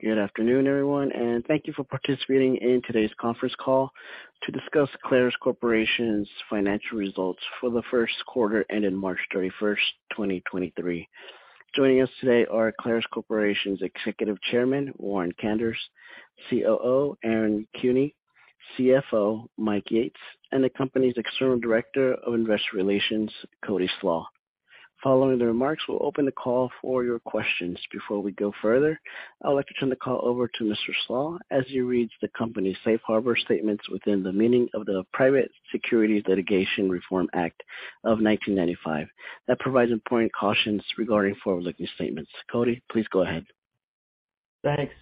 Good afternoon, everyone. Thank you for participating in today's conference call to discuss Clarus Corporation's financial results for the first quarter ending March 31st, 2023. Joining us today are Clarus Corporation's Executive Chairman, Warren Kanders, COO, Aaron Kuehne, CFO, Mike Yates, and the company's External Director of Investor Relations, Cody Slach. Following the remarks, we'll open the call for your questions. Before we go further, I'd like to turn the call over to Mr. Slach as he reads the company's safe harbor statements within the meaning of the Private Securities Litigation Reform Act of 1995. That provides important cautions regarding forward-looking statements. Cody, please go ahead. Thanks.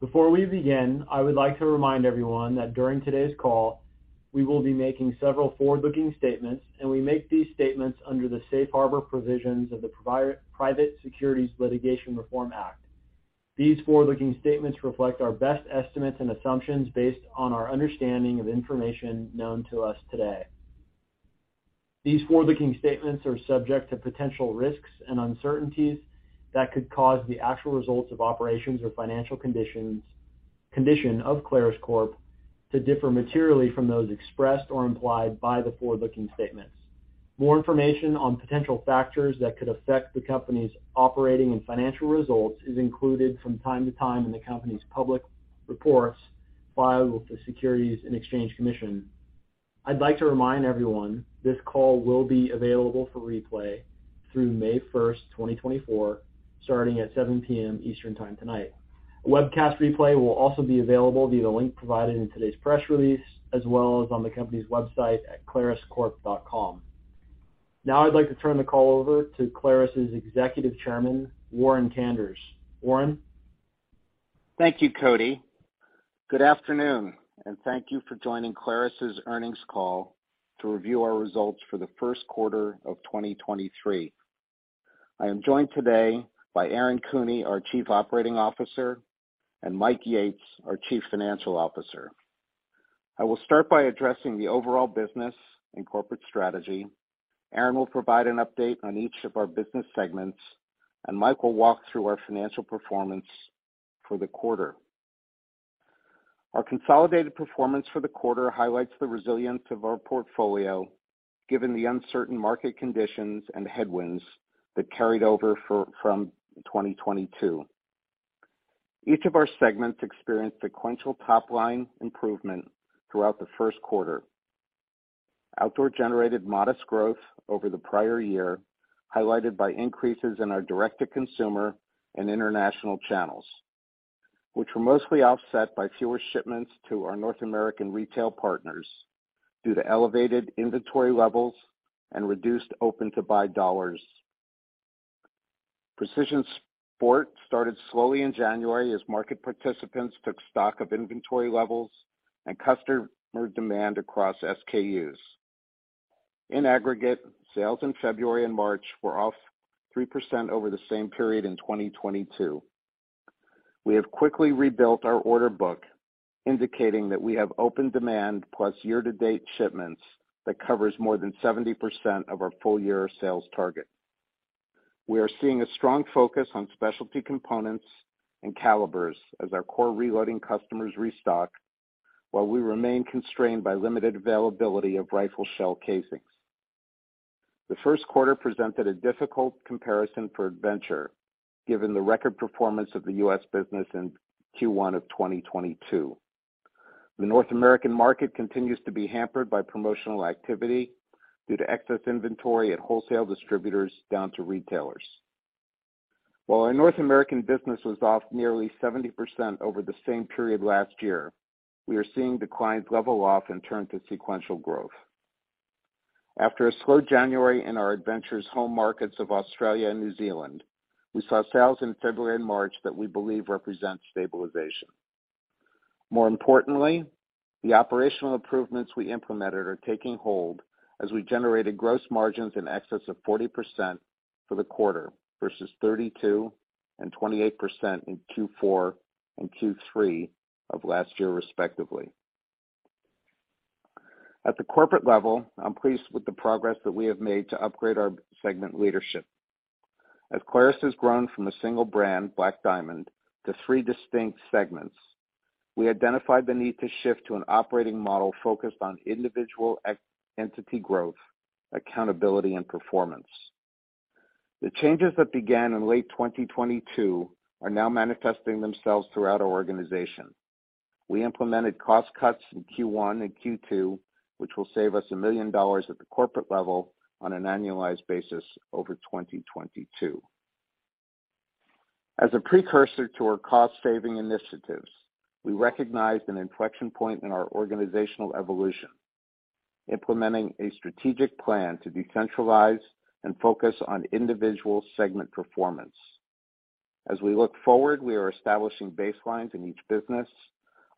Before we begin, I would like to remind everyone that during today's call, we will be making several forward-looking statements, and we make these statements under the safe harbor provisions of the Private Securities Litigation Reform Act. These forward-looking statements reflect our best estimates and assumptions based on our understanding of information known to us today. These forward-looking statements are subject to potential risks and uncertainties that could cause the actual results of operations or financial conditions of Clarus Corp to differ materially from those expressed or implied by the forward-looking statements. More information on potential factors that could affect the company's operating and financial results is included from time to time in the company's public reports filed with the Securities and Exchange Commission. I'd like to remind everyone this call will be available for replay through May 1st, 2024, starting at 7:00 P.M. Eastern Time tonight. A webcast replay will also be available via link provided in today's press release, as well as on the company's website at claruscorp.com. Now I'd like to turn the call over to Clarus's Executive Chairman, Warren Kanders. Warren? Thank you, Cody. Good afternoon. Thank you for joining Clarus's earnings call to review our results for the first quarter of 2023. I am joined today by Aaron Kuehne, our Chief Operating Officer, and Mike Yates, our Chief Financial Officer. I will start by addressing the overall business and corporate strategy. Aaron will provide an update on each of our business segments, and Mike will walk through our financial performance for the quarter. Our consolidated performance for the quarter highlights the resilience of our portfolio, given the uncertain market conditions and headwinds that carried over from 2022. Each of our segments experienced sequential top-line improvement throughout the first quarter. Outdoor generated modest growth over the prior year, highlighted by increases in our direct-to-consumer and international channels, which were mostly offset by fewer shipments to our North American retail partners due to elevated inventory levels and reduced open-to-buy dollars. Precision Sport started slowly in January as market participants took stock of inventory levels and customer demand across SKUs. In aggregate, sales in February and March were off 3% over the same period in 2022. We have quickly rebuilt our order book, indicating that we have open demand plus year-to-date shipments that covers more than 70% of our full-year sales target. We are seeing a strong focus on specialty components and calibers as our core reloading customers restock, while we remain constrained by limited availability of rifle shell casings. The first quarter presented a difficult comparison for Adventure given the record performance of the U.S. business in Q1 of 2022. The North American market continues to be hampered by promotional activity due to excess inventory at wholesale distributors down to retailers. While our North American business was off nearly 70% over the same period last year, we are seeing declines level off and turn to sequential growth. After a slow January in our Adventure's home markets of Australia and New Zealand, we saw sales in February and March that we believe represent stabilization. More importantly, the operational improvements we implemented are taking hold as we generated gross margins in excess of 40% for the quarter, versus 32% and 28% in Q4 and Q3 of last year, respectively. At the corporate level, I'm pleased with the progress that we have made to upgrade our segment leadership. As Clarus has grown from a single brand, Black Diamond, to three distinct segments, we identified the need to shift to an operating model focused on individual entity growth, accountability, and performance. The changes that began in late 2022 are now manifesting themselves throughout our organization. We implemented cost cuts in Q1 and Q2, which will save us $1 million at the corporate level on an annualized basis over 2022. As a precursor to our cost-saving initiatives, we recognized an inflection point in our organizational evolution, implementing a strategic plan to decentralize and focus on individual segment performance. As we look forward, we are establishing baselines in each business,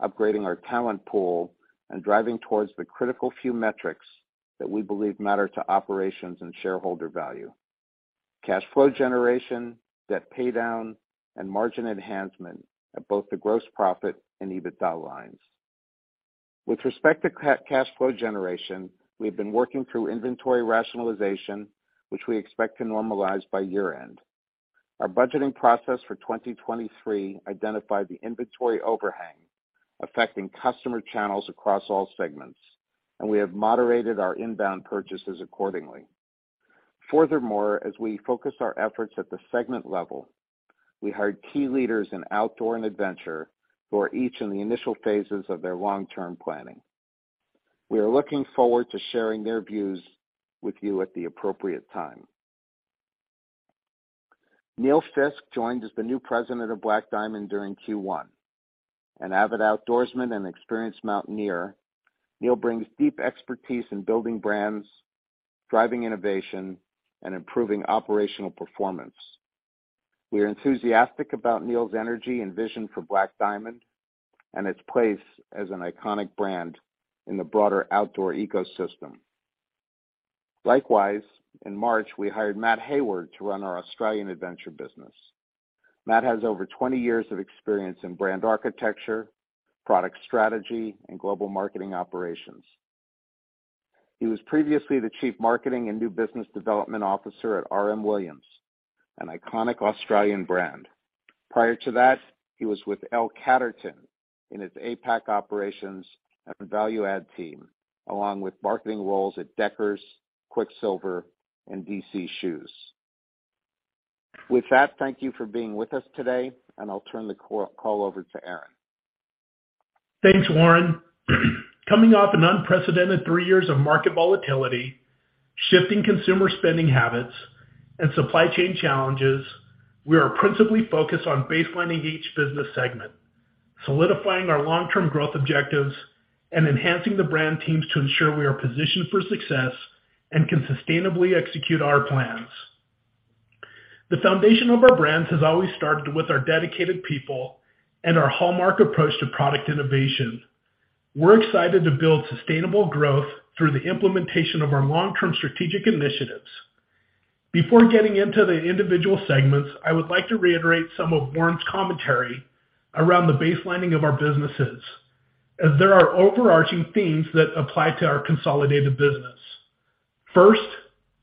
upgrading our talent pool, and driving towards the critical few metrics that we believe matter to operations and shareholder value: cash flow generation, debt paydown, and margin enhancement at both the gross profit and EBITDA lines. With respect to cash flow generation, we've been working through inventory rationalization, which we expect to normalize by year-end. Our budgeting process for 2023 identified the inventory overhang affecting customer channels across all segments, and we have moderated our inbound purchases accordingly. Furthermore, as we focus our efforts at the segment level, we hired key leaders in outdoor and adventure who are each in the initial phases of their long-term planning. We are looking forward to sharing their views with you at the appropriate time. Neil Fiske joined as the new president of Black Diamond during Q1. An avid outdoorsman and experienced mountaineer, Neil brings deep expertise in building brands, driving innovation, and improving operational performance. We are enthusiastic about Neil's energy and vision for Black Diamond and its place as an iconic brand in the broader outdoor ecosystem. Likewise, in March, we hired Matt Hayward to run our Australian Adventure business. Matt has over 20 years of experience in brand architecture, product strategy, and global marketing operations. He was previously the Chief Marketing and New Business Development Officer at R.M.Williams, an iconic Australian brand. Prior to that, he was with L Catterton in its APAC operations and value add team, along with marketing roles at Deckers, Quiksilver, and DC Shoes. With that, thank you for being with us today, I'll turn the call over to Aaron. Thanks, Warren. Coming off an unprecedented three years of market volatility, shifting consumer spending habits, and supply chain challenges, we are principally focused on baselining each business segment, solidifying our long-term growth objectives, and enhancing the brand teams to ensure we are positioned for success and can sustainably execute our plans. The foundation of our brands has always started with our dedicated people and our hallmark approach to product innovation. We're excited to build sustainable growth through the implementation of our long-term strategic initiatives. Before getting into the individual segments, I would like to reiterate some of Warren's commentary around the baselining of our businesses, as there are overarching themes that apply to our consolidated business. First,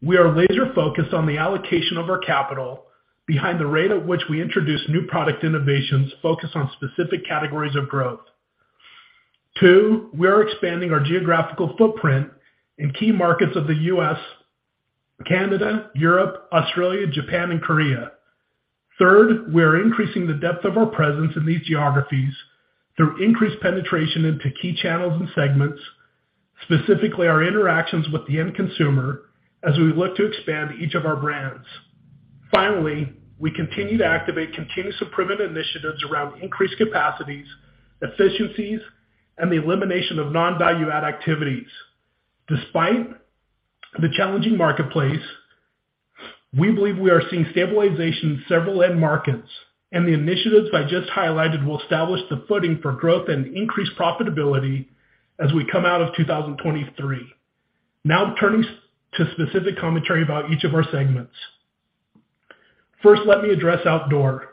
we are laser-focused on the allocation of our capital behind the rate at which we introduce new product innovations focused on specific categories of growth. Two, we are expanding our geographical footprint in key markets of the U.S., Canada, Europe, Australia, Japan, and Korea. Third, we are increasing the depth of our presence in these geographies through increased penetration into key channels and segments, specifically our interactions with the end consumer, as we look to expand each of our brands. Finally, we continue to activate continuous improvement initiatives around increased capacities, efficiencies, and the elimination of non-value-add activities. Despite the challenging marketplace, we believe we are seeing stabilization in several end markets, and the initiatives I just highlighted will establish the footing for growth and increased profitability as we come out of 2023. Now turning to specific commentary about each of our segments. First, let me address outdoor.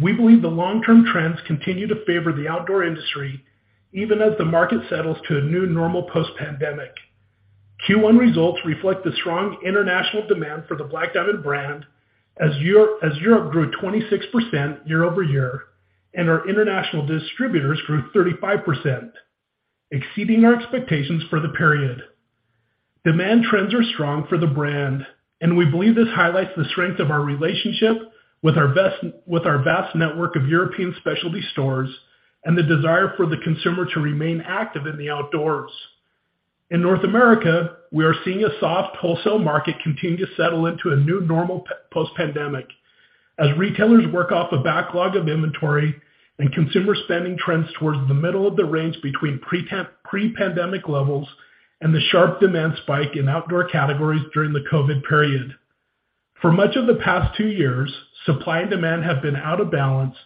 We believe the long-term trends continue to favor the outdoor industry, even as the market settles to a new normal post-pandemic. Q1 results reflect the strong international demand for the Black Diamond brand as Europe grew 26% year-over-year, and our international distributors grew 35%, exceeding our expectations for the period. Demand trends are strong for the brand, and we believe this highlights the strength of our relationship with our vast network of European specialty stores and the desire for the consumer to remain active in the outdoors. In North America, we are seeing a soft wholesale market continue to settle into a new normal post-pandemic as retailers work off a backlog of inventory and consumer spending trends towards the middle of the range between pre-pandemic levels and the sharp demand spike in outdoor categories during the COVID period. For much of the past two years, supply and demand have been out of balance,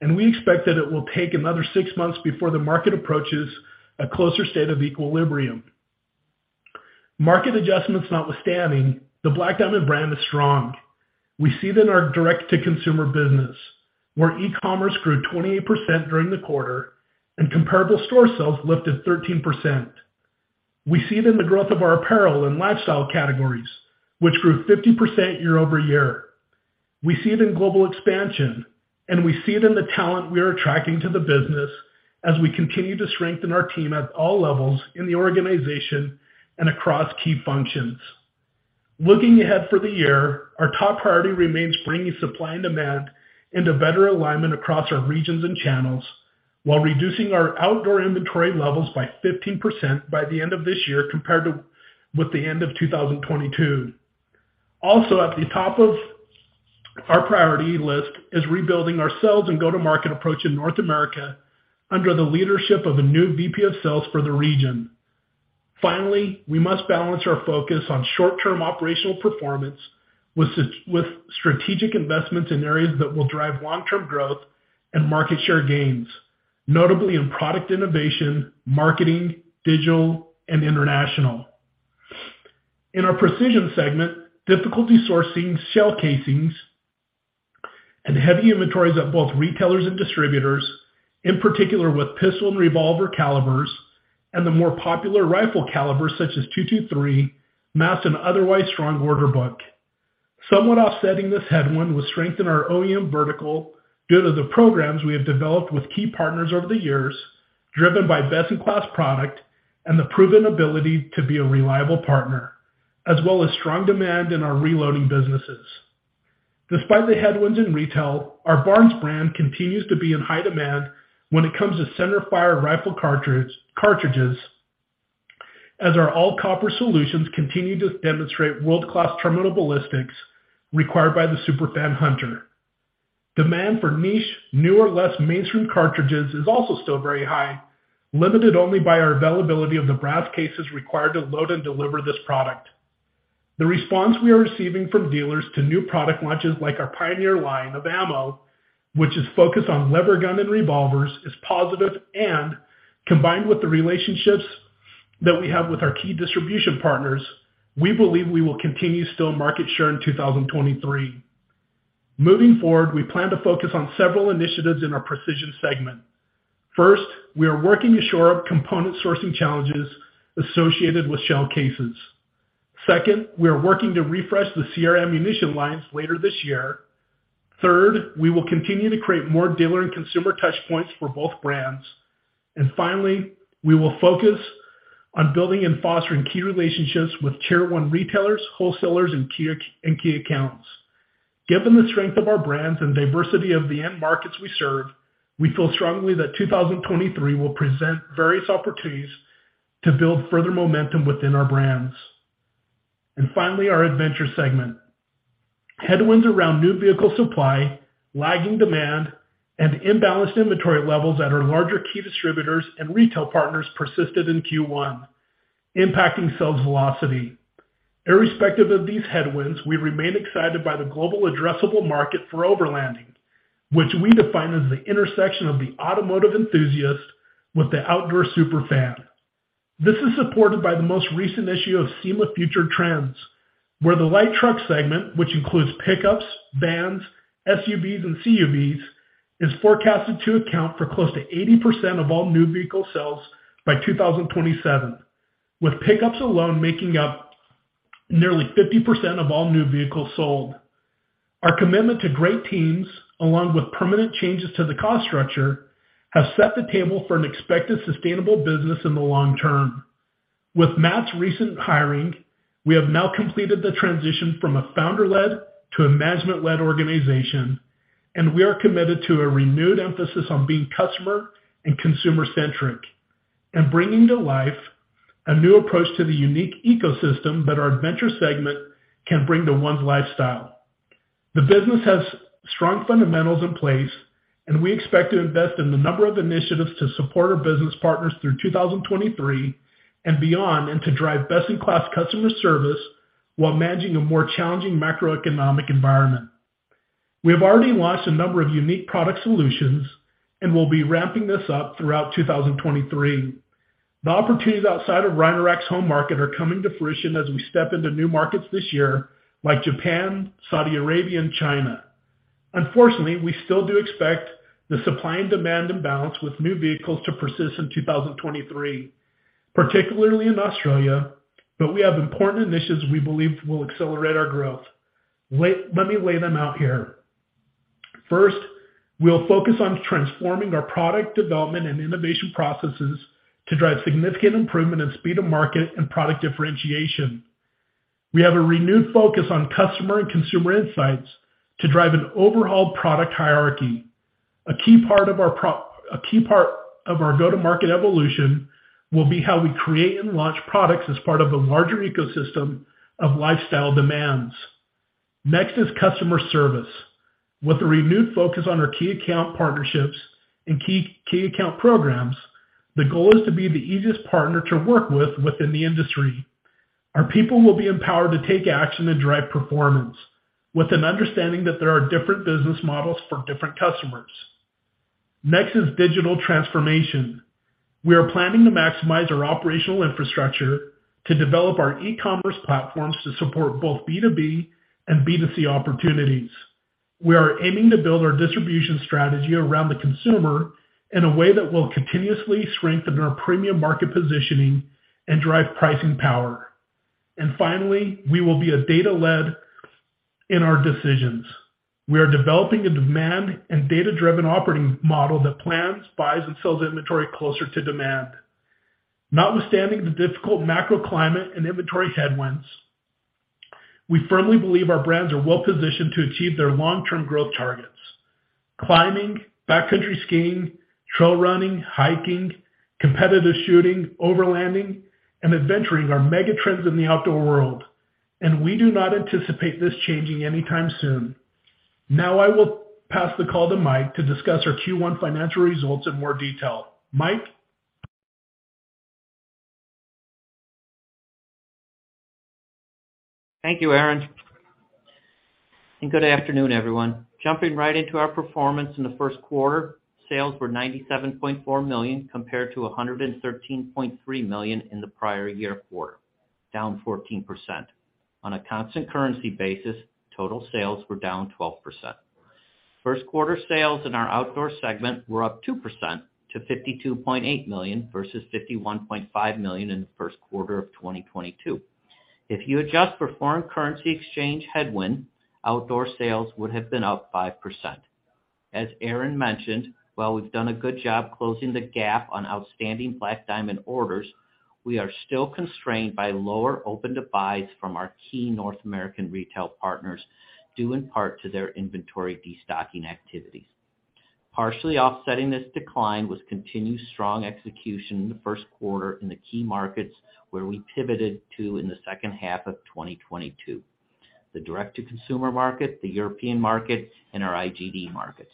and we expect that it will take another six months before the market approaches a closer state of equilibrium. Market adjustments notwithstanding, the Black Diamond brand is strong. We see it in our direct-to-consumer business, where e-commerce grew 28% during the quarter, and comparable store sales lifted 13%. We see it in the growth of our apparel and lifestyle categories, which grew 50% year-over-year. We see it in global expansion, and we see it in the talent we are attracting to the business as we continue to strengthen our team at all levels in the organization and across key functions. Looking ahead for the year, our top priority remains bringing supply and demand into better alignment across our regions and channels while reducing our outdoor inventory levels by 15% by the end of this year compared to with the end of 2022. Also at the top of our priority list is rebuilding our sales and go-to-market approach in North America under the leadership of a new VP of sales for the region. Finally, we must balance our focus on short-term operational performance with strategic investments in areas that will drive long-term growth and market share gains, notably in product innovation, marketing, digital, and international. In our Precision segment, difficulty sourcing shell casings and heavy inventories at both retailers and distributors, in particular with pistol and revolver calibers and the more popular rifle calibers such as .223, masked an otherwise strong order book. Somewhat offsetting this headwind was strength in our OEM vertical due to the programs we have developed with key partners over the years, driven by best-in-class product and the proven ability to be a reliable partner, as well as strong demand in our reloading businesses. Despite the headwinds in retail, our Barnes brand continues to be in high demand when it comes to centerfire rifle cartridges, as our all-copper solutions continue to demonstrate world-class terminal ballistics required by the super fan hunter. Demand for niche, new or less mainstream cartridges is also still very high, limited only by our availability of the brass cases required to load and deliver this product. The response we are receiving from dealers to new product launches like our Pioneer line of ammo, which is focused on lever gun and revolvers, is positive. Combined with the relationships that we have with our key distribution partners, we believe we will continue to steal market share in 2023. Moving forward, we plan to focus on several initiatives in our Precision segment. First, we are working to shore up component sourcing challenges associated with shell cases. Second, we are working to refresh the Sierra ammunition lines later this year. Third, we will continue to create more dealer and consumer touch points for both brands. Finally, we will focus on building and fostering key relationships with tier one retailers, wholesalers, and key accounts. Given the strength of our brands and diversity of the end markets we serve, we feel strongly that 2023 will present various opportunities to build further momentum within our brands. Finally, our Adventure segment. Headwinds around new vehicle supply, lagging demand, and imbalanced inventory levels at our larger key distributors and retail partners persisted in Q1, impacting sales velocity. Irrespective of these headwinds, we remain excited by the global addressable market for overlanding, which we define as the intersection of the automotive enthusiast with the outdoor super fan. This is supported by the most recent issue of SEMA Future Trends, where the light truck segment, which includes pickups, vans, SUVs, and CUVs, is forecasted to account for close to 80% of all new vehicle sales by 2027, with pickups alone making up nearly 50% of all new vehicles sold. Our commitment to great teams, along with permanent changes to the cost structure, have set the table for an expected sustainable business in the long-term. With Matt's recent hiring, we have now completed the transition from a founder-led to a management-led organization, and we are committed to a renewed emphasis on being customer and consumer-centric and bringing to life a new approach to the unique ecosystem that our adventure segment can bring to one's lifestyle. The business has strong fundamentals in place, and we expect to invest in a number of initiatives to support our business partners through 2023 and beyond, and to drive best-in-class customer service while managing a more challenging macroeconomic environment. We have already launched a number of unique product solutions and will be ramping this up throughout 2023. The opportunities outside of Rhino-Rack's home market are coming to fruition as we step into new markets this year, like Japan, Saudi Arabia, and China. Unfortunately, we still do expect the supply and demand imbalance with new vehicles to persist in 2023, particularly in Australia. We have important initiatives we believe will accelerate our growth. Let me lay them out here. First, we'll focus on transforming our product development and innovation processes to drive significant improvement in speed of market and product differentiation. We have a renewed focus on customer and consumer insights to drive an overhauled product hierarchy. A key part of our go-to-market evolution will be how we create and launch products as part of a larger ecosystem of lifestyle demands. Next is customer service. With a renewed focus on our key account partnerships and key account programs, the goal is to be the easiest partner to work with within the industry. Our people will be empowered to take action and drive performance with an understanding that there are different business models for different customers. Next is digital transformation. We are planning to maximize our operational infrastructure to develop our e-commerce platforms to support both B2B and B2C opportunities. We are aiming to build our distribution strategy around the consumer in a way that will continuously strengthen our premium market positioning and drive pricing power. Finally, we will be data-led in our decisions. We are developing a demand and data-driven operating model that plans, buys, and sells inventory closer to demand. Notwithstanding the difficult macroclimate and inventory headwinds, we firmly believe our brands are well-positioned to achieve their long-term growth targets. Climbing, backcountry skiing, trail running, hiking, competitive shooting, overlanding, and adventuring are mega trends in the outdoor world, and we do not anticipate this changing anytime soon. Now I will pass the call to Mike to discuss our Q1 financial results in more detail. Mike? Thank you, Aaron. Good afternoon, everyone. Jumping right into our performance in the first quarter, sales were $97.4 million compared to $113.3 million in the prior year quarter, down 14%. On a constant currency basis, total sales were down 12%. First quarter sales in our Outdoor segment were up 2% to $52.8 million versus $51.5 million in the first quarter of 2022. If you adjust for foreign currency exchange headwind, Outdoor sales would have been up 5%. As Aaron mentioned, while we've done a good job closing the gap on outstanding Black Diamond orders, we are still constrained by lower open-to-buy from our key North American retail partners, due in part to their inventory destocking activities. Partially offsetting this decline was continued strong execution in the first quarter in the key markets where we pivoted to in the second half of 2022, the direct-to-consumer market, the European market, and our IGD markets.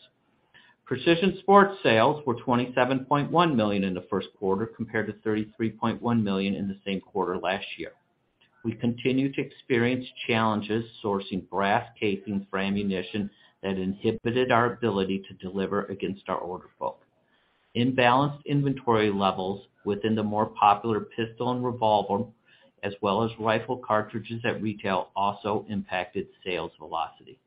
Precision Sport sales were $27.1 million in the first quarter, compared to $33.1 million in the same quarter last year. We continue to experience challenges sourcing brass casings for ammunition that inhibited our ability to deliver against our order book. Imbalanced inventory levels within the more popular pistol and revolver, as well as rifle cartridges at retail, also impacted sales velocity.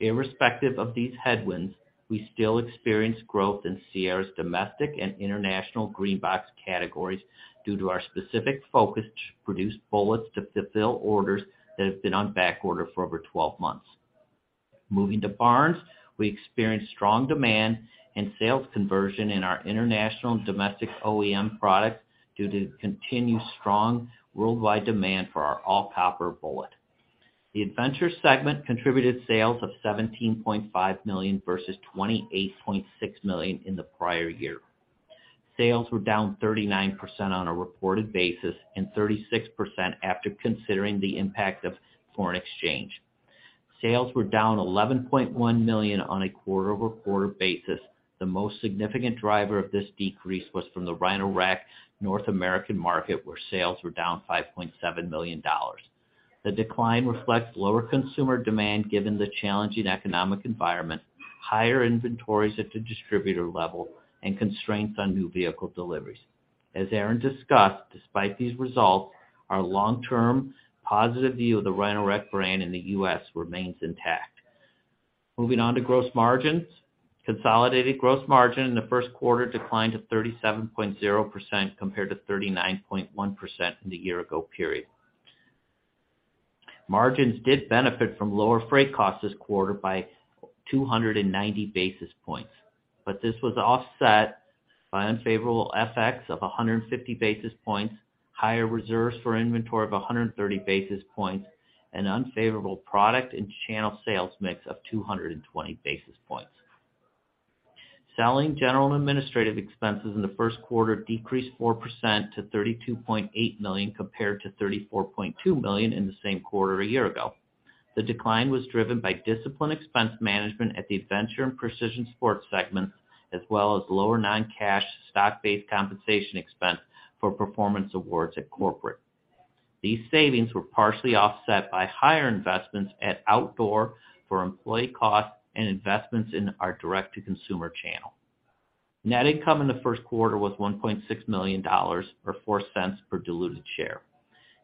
Irrespective of these headwinds, we still experience growth in Sierra's domestic and international green box categories due to our specific focus to produce bullets to fulfill orders that have been on backorder for over 12 months. Moving to Barnes, we experienced strong demand and sales conversion in our international and domestic OEM products due to continued strong worldwide demand for our all-copper bullet. The Adventure segment contributed sales of $17.5 million versus $28.6 million in the prior year. Sales were down 39% on a reported basis and 36% after considering the impact of foreign exchange. Sales were down $11.1 million on a quarter-over-quarter basis. The most significant driver of this decrease was from the Rhino-Rack North American market, where sales were down $5.7 million. The decline reflects lower consumer demand given the challenging economic environment, higher inventories at the distributor level, and constraints on new vehicle deliveries. As Aaron discussed, despite these results, our long-term positive view of the Rhino-Rack brand in the U.S. remains intact. Moving on to gross margins. Consolidated gross margin in the first quarter declined to 37.0% compared to 39.1% in the year ago period. Margins did benefit from lower freight costs this quarter by 290 basis points, but this was offset by unfavorable FX of 150 basis points, higher reserves for inventory of 130 basis points, and unfavorable product and channel sales mix of 220 basis points. Selling, general, and administrative expenses in the first quarter decreased 4% to $32.8 million compared to $34.2 million in the same quarter a year ago. The decline was driven by disciplined expense management at the Adventure and Precision Sport segments, as well as lower non-cash stock-based compensation expense for performance awards at corporate. These savings were partially offset by higher investments at Outdoor for employee costs and investments in our direct-to-consumer channel. Net income in the first quarter was $1.6 million, or $0.04 per diluted share,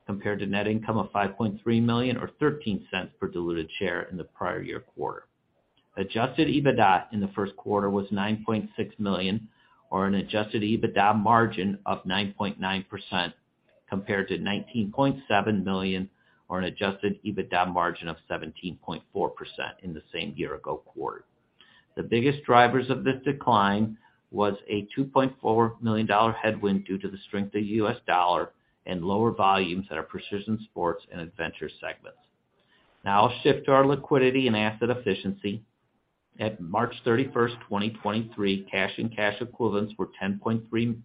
compared to net income of $5.3 million, or $0.13 per diluted share, in the prior year quarter. Adjusted EBITDA in the first quarter was $9.6 million or an adjusted EBITDA margin of 9.9% compared to $19.7 million or an adjusted EBITDA margin of 17.4% in the same year-ago quarter. The biggest drivers of this decline was a $2.4 million headwind due to the strength of the U.S. dollar and lower volumes at our Precision Sports and Adventure segments. I'll shift to our liquidity and asset efficiency. At March 31, 2023, cash and cash equivalents were $10.3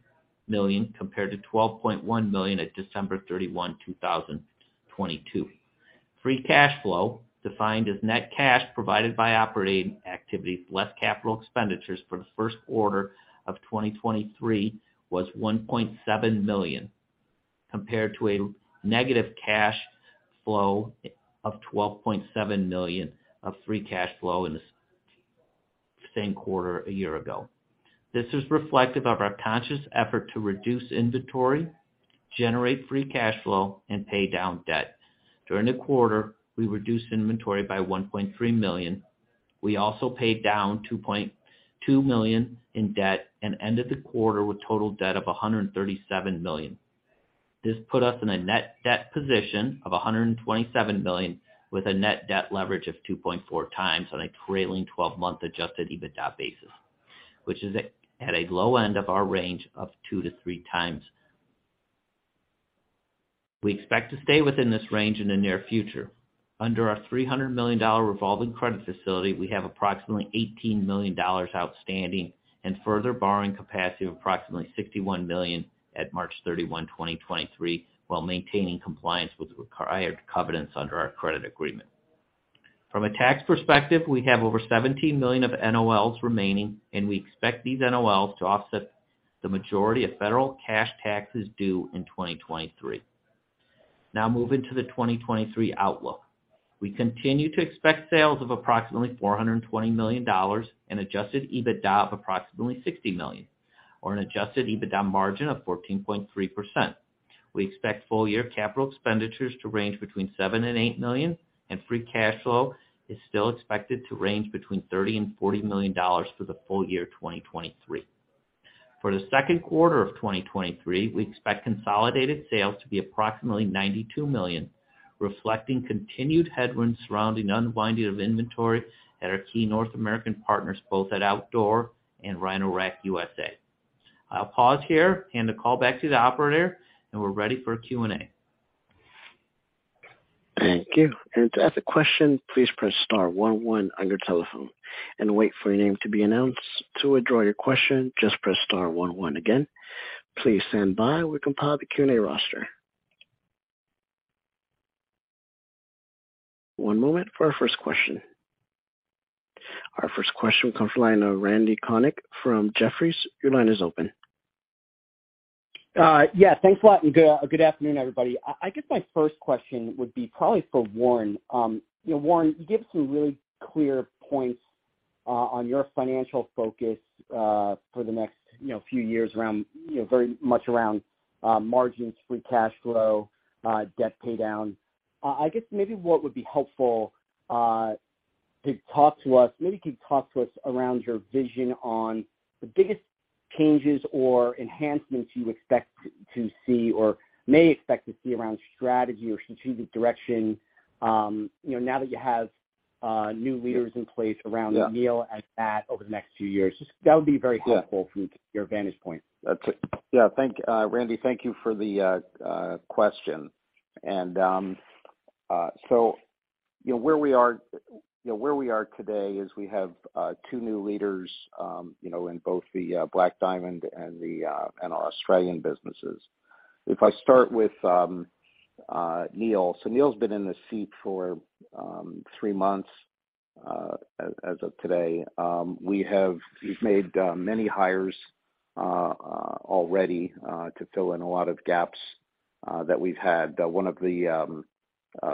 million compared to $12.1 million at December 31, 2022. Free cash flow, defined as net cash provided by operating activities less capital expenditures for the first quarter of 2023, was $1.7 million, compared to a negative cash flow of $12.7 million of free cash flow in the same quarter a year ago. This is reflective of our conscious effort to reduce inventory, generate free cash flow, and pay down debt. During the quarter, we reduced inventory by $1.3 million. We also paid down $2.2 million in debt and ended the quarter with total debt of $137 million. This put us in a net debt position of $127 million, with a net debt leverage of 2.4x on a trailing twelve-month adjusted EBITDA basis, which is at a low end of our range of 2x-3x. We expect to stay within this range in the near future. Under our $300 million revolving credit facility, we have approximately $18 million outstanding and further borrowing capacity of approximately $61 million at March 31, 2023, while maintaining compliance with required covenants under our credit agreement. From a tax perspective, we have over $17 million of NOLs remaining, and we expect these NOLs to offset The majority of federal cash tax is due in 2023. Moving to the 2023 outlook. We continue to expect sales of approximately $420 million and adjusted EBITDA of approximately $60 million, or an adjusted EBITDA margin of 14.3%. We expect full-year capital expenditures to range between $7 million and $8 million, and free cash flow is still expected to range between $30 million and $40 million for the full-year 2023. For the second quarter of 2023, we expect consolidated sales to be approximately $92 million, reflecting continued headwinds surrounding unwinding of inventory at our key North American partners, both at Outdoor and Rhino-Rack USA. I'll pause here, hand the call back to the operator, and we're ready for Q&A. Thank you. To ask a question, please press star one one on your telephone and wait for your name to be announced. To withdraw your question, just press star one one again. Please stand by. We compile the Q&A roster. One moment for our first question. Our first question comes from the line of Randy Konik from Jefferies. Your line is open. Yeah, thanks a lot, good afternoon, everybody. I guess my first question would be probably for Warren. You know, Warren Kanders, you gave some really clear points on your financial focus for the next, you know, few years, around, you know, very much around margins, free cash flow, debt pay down. I guess maybe what would be helpful, to talk to us. Maybe you could talk to us around your vision on the biggest changes or enhancements you expect to see or may expect to see around strategy or strategic direction, you know, now that you have new leaders in place around Neil Fiske and Mathew Hayward over the next few years. That would be very helpful from your vantage point. Yeah. Randy, thank you for the question. So you know, where we are, you know, where we are today, is we have two new leaders, you know, in both the Black Diamond and our Australian businesses. If I start with Neil. Neil's been in the seat for three months as of today. He's made many hires already to fill in a lot of gaps that we've had. One of the, you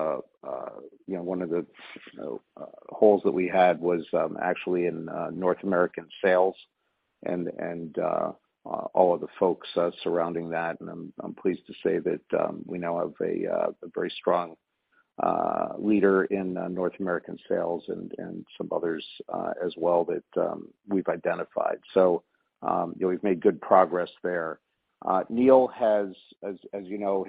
know, one of the, you know, holes that we had was actually in North American sales and all of the folks surrounding that. I'm pleased to say that we now have a very strong leader in North American sales, and some others as well that we've identified. You know, we've made good progress there. Neil has as you know,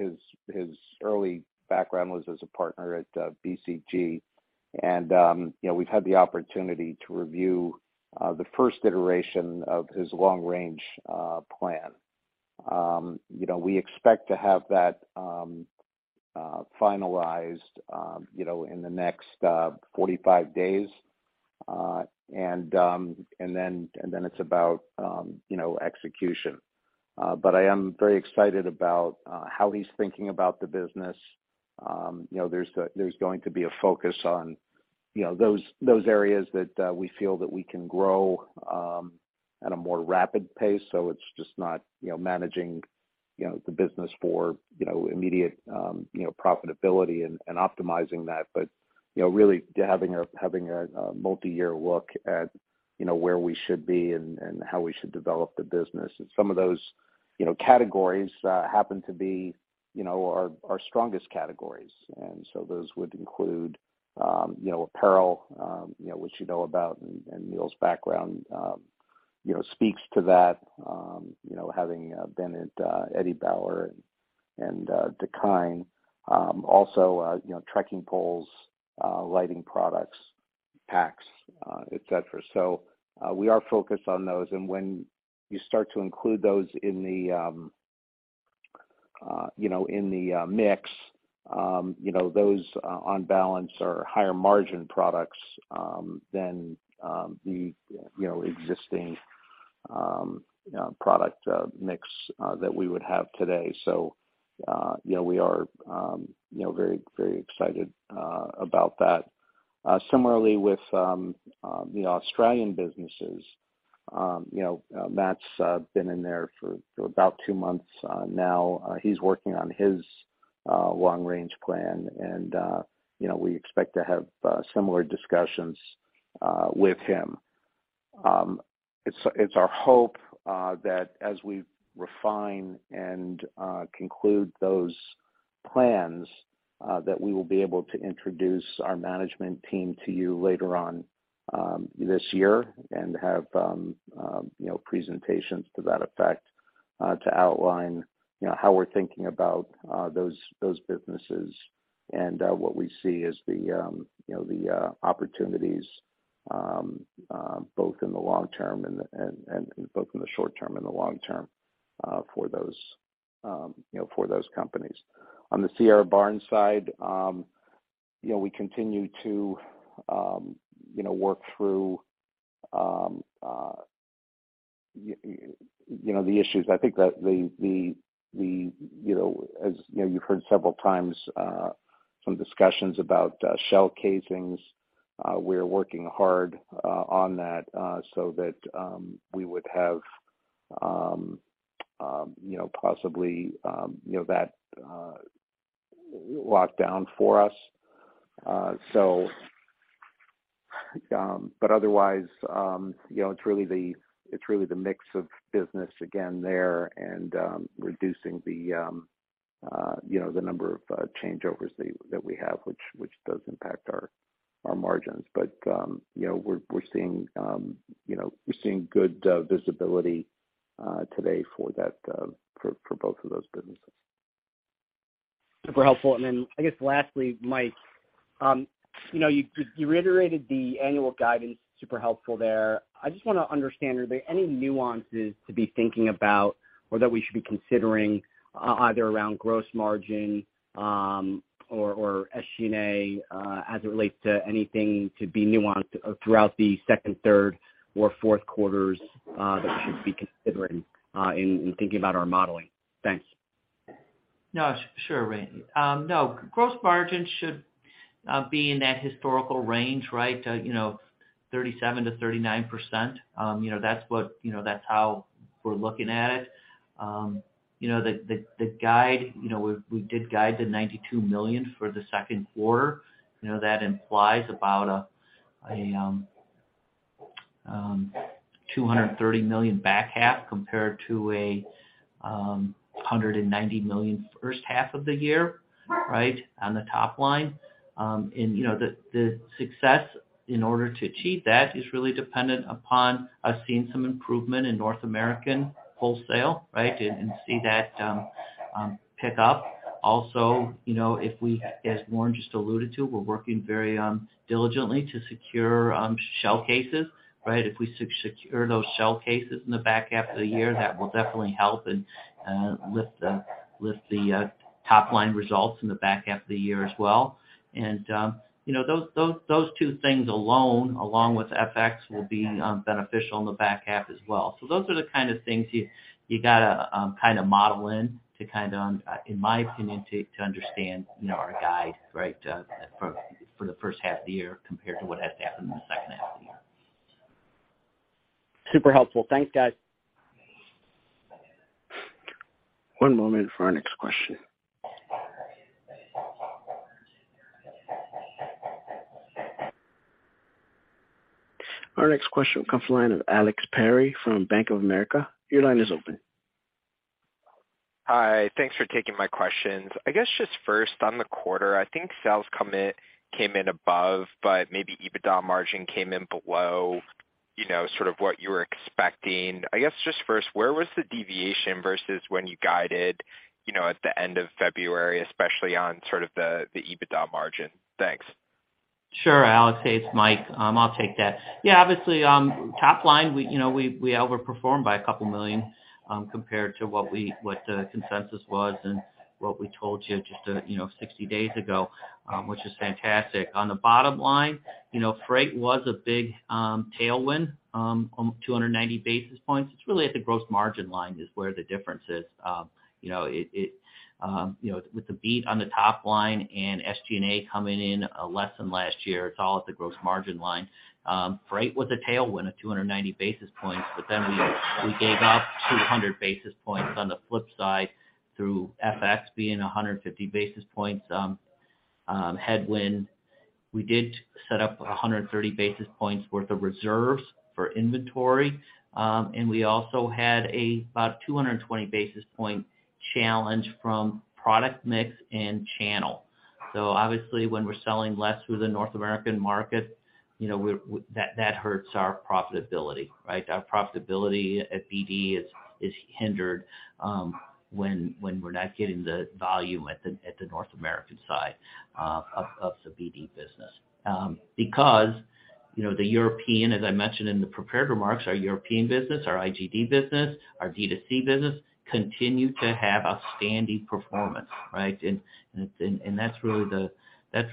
his early background was as a partner at BCG. You know, we've had the opportunity to review the first iteration of his long-range plan. You know, we expect to have that finalized, you know, in the next 45 days. Then it's about, you know, execution. I am very excited about how he's thinking about the business. You know, there's going to be a focus on, you know, those areas that we feel that we can grow at a more rapid pace. It's just not, you know, managing, you know, the business for, you know, immediate profitability and optimizing that, but, you know, really having a multi-year look at, you know, where we should be and how we should develop the business. Some of those, you know, categories happen to be, you know, our strongest categories. Those would include, you know, apparel, you know, which you know about, and Neil's background, you know, speaks to that, you know, having been at Eddie Bauer and Dakine. Also, you know, trekking poles, lighting products, packs, etc. We are focused on those. When you start to include those in the mix, those on balance are higher margin products than the existing product mix that we would have today. We are very, very excited about that. Similarly with the Australian businesses, Matt's been in there for about two months now. He's working on his long-range plan, and we expect to have similar discussions with him. It's our hope that as we refine and conclude those plans, that we will be able to introduce our management team to you later on this year and have, you know, presentations to that effect to outline, you know, how we're thinking about those businesses and what we see as the, you know, the opportunities both in the long term and both in the short term and the long term for those, you know, for those companies. On the Sierra Barnes side, you know, we continue to, you know, work through, you know, the issues. I think that the, you know, as you know, you've heard several times, some discussions about shell casings. We're working hard on that so that we would have, you know, possibly, you know, that locked down for us. Otherwise, you know, it's really the, it's really the mix of business again there and reducing the, you know, the number of changeovers that we have, which does impact our margins. We're seeing, you know, we're seeing good visibility today for that for both of those businesses. Super helpful. I guess lastly, Mike, you know, you reiterated the annual guidance, super helpful there. I just wanna understand, are there any nuances to be thinking about or that we should be considering either around gross margin, or SG&A, as it relates to anything to be nuanced throughout the second, third, or fourth quarters, that we should be considering in thinking about our modeling? Thanks. No, sure, Randy. No. Gross margin should be in that historical range, right? 37%-39%. That's how we're looking at it. The guide, we did guide the $92 million for the second quarter. That implies about a $230 million back half compared to a $190 million first half of the year, right, on the top line. The success in order to achieve that is really dependent upon us seeing some improvement in North American wholesale, right, and see that pick up. Also, if we, as Warren just alluded to, we're working very diligently to secure shell cases, right? If we secure those shell cases in the back half of the year, that will definitely help and lift the top-line results in the back half of the year as well. you know, those two things alone, along with FX, will be beneficial in the back half as well. Those are the kind of things you gotta kind of model in to kind of in my opinion, to understand, you know, our guide, right, for the first half of the year compared to what has to happen in the second half of the year. Super helpful. Thanks, guys. One moment for our next question. Our next question comes the line of Alex Perry from Bank of America. Your line is open. Hi. Thanks for taking my questions. I guess just first on the quarter, I think sales came in above, but maybe EBITDA margin came in below, you know, sort of what you were expecting. I guess just first, where was the deviation versus when you guided, you know, at the end of February, especially on sort of the EBITDA margin? Thanks. Sure, Alex. Hey, it's Mike. I'll take that. Yeah, obviously, top-line, we, you know, we overperformed by a couple million compared to what the consensus was and what we told you just, you know, 60 days ago, which is fantastic. On the bottom line, you know, freight was a big tailwind, 290 basis points. It's really at the gross margin line is where the difference is. You know, it, you know, with the beat on the top line and SG&A coming in less than last year, it's all at the gross margin line. Freight was a tailwind of 290 basis points, we gave up 200 basis points on the flip side through FX being 150 basis points headwind. We did set up 130 basis points worth of reserves for inventory. We also had about 220 basis point challenge from product mix and channel. Obviously, when we're selling less through the North American market, you know, that hurts our profitability, right? Our profitability at BD is hindered when we're not getting the volume at the North American side of the BD business. Because, you know, the European, as I mentioned in the prepared remarks, our European business, our IGD business, our D2C business continue to have outstanding performance, right? That's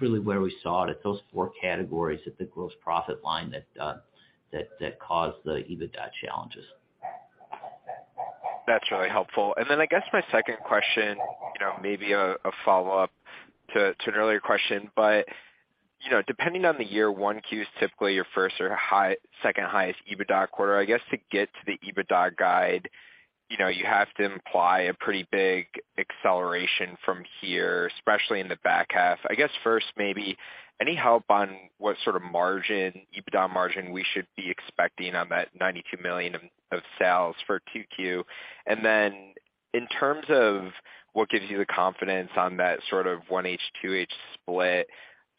really where we saw it, at those four categories at the gross profit line that caused the EBITDA challenges. That's really helpful. I guess my second question, you know, may be a follow-up to an earlier question. You know, depending on the year, 1Q is typically your first or second highest EBITDA quarter. I guess to get to the EBITDA guide, you know, you have to imply a pretty big acceleration from here, especially in the back half. I guess first, maybe any help on what sort of margin, EBITDA margin we should be expecting on that $92 million of sales for Q2? In terms of what gives you the confidence on that sort of 1H, 2H split,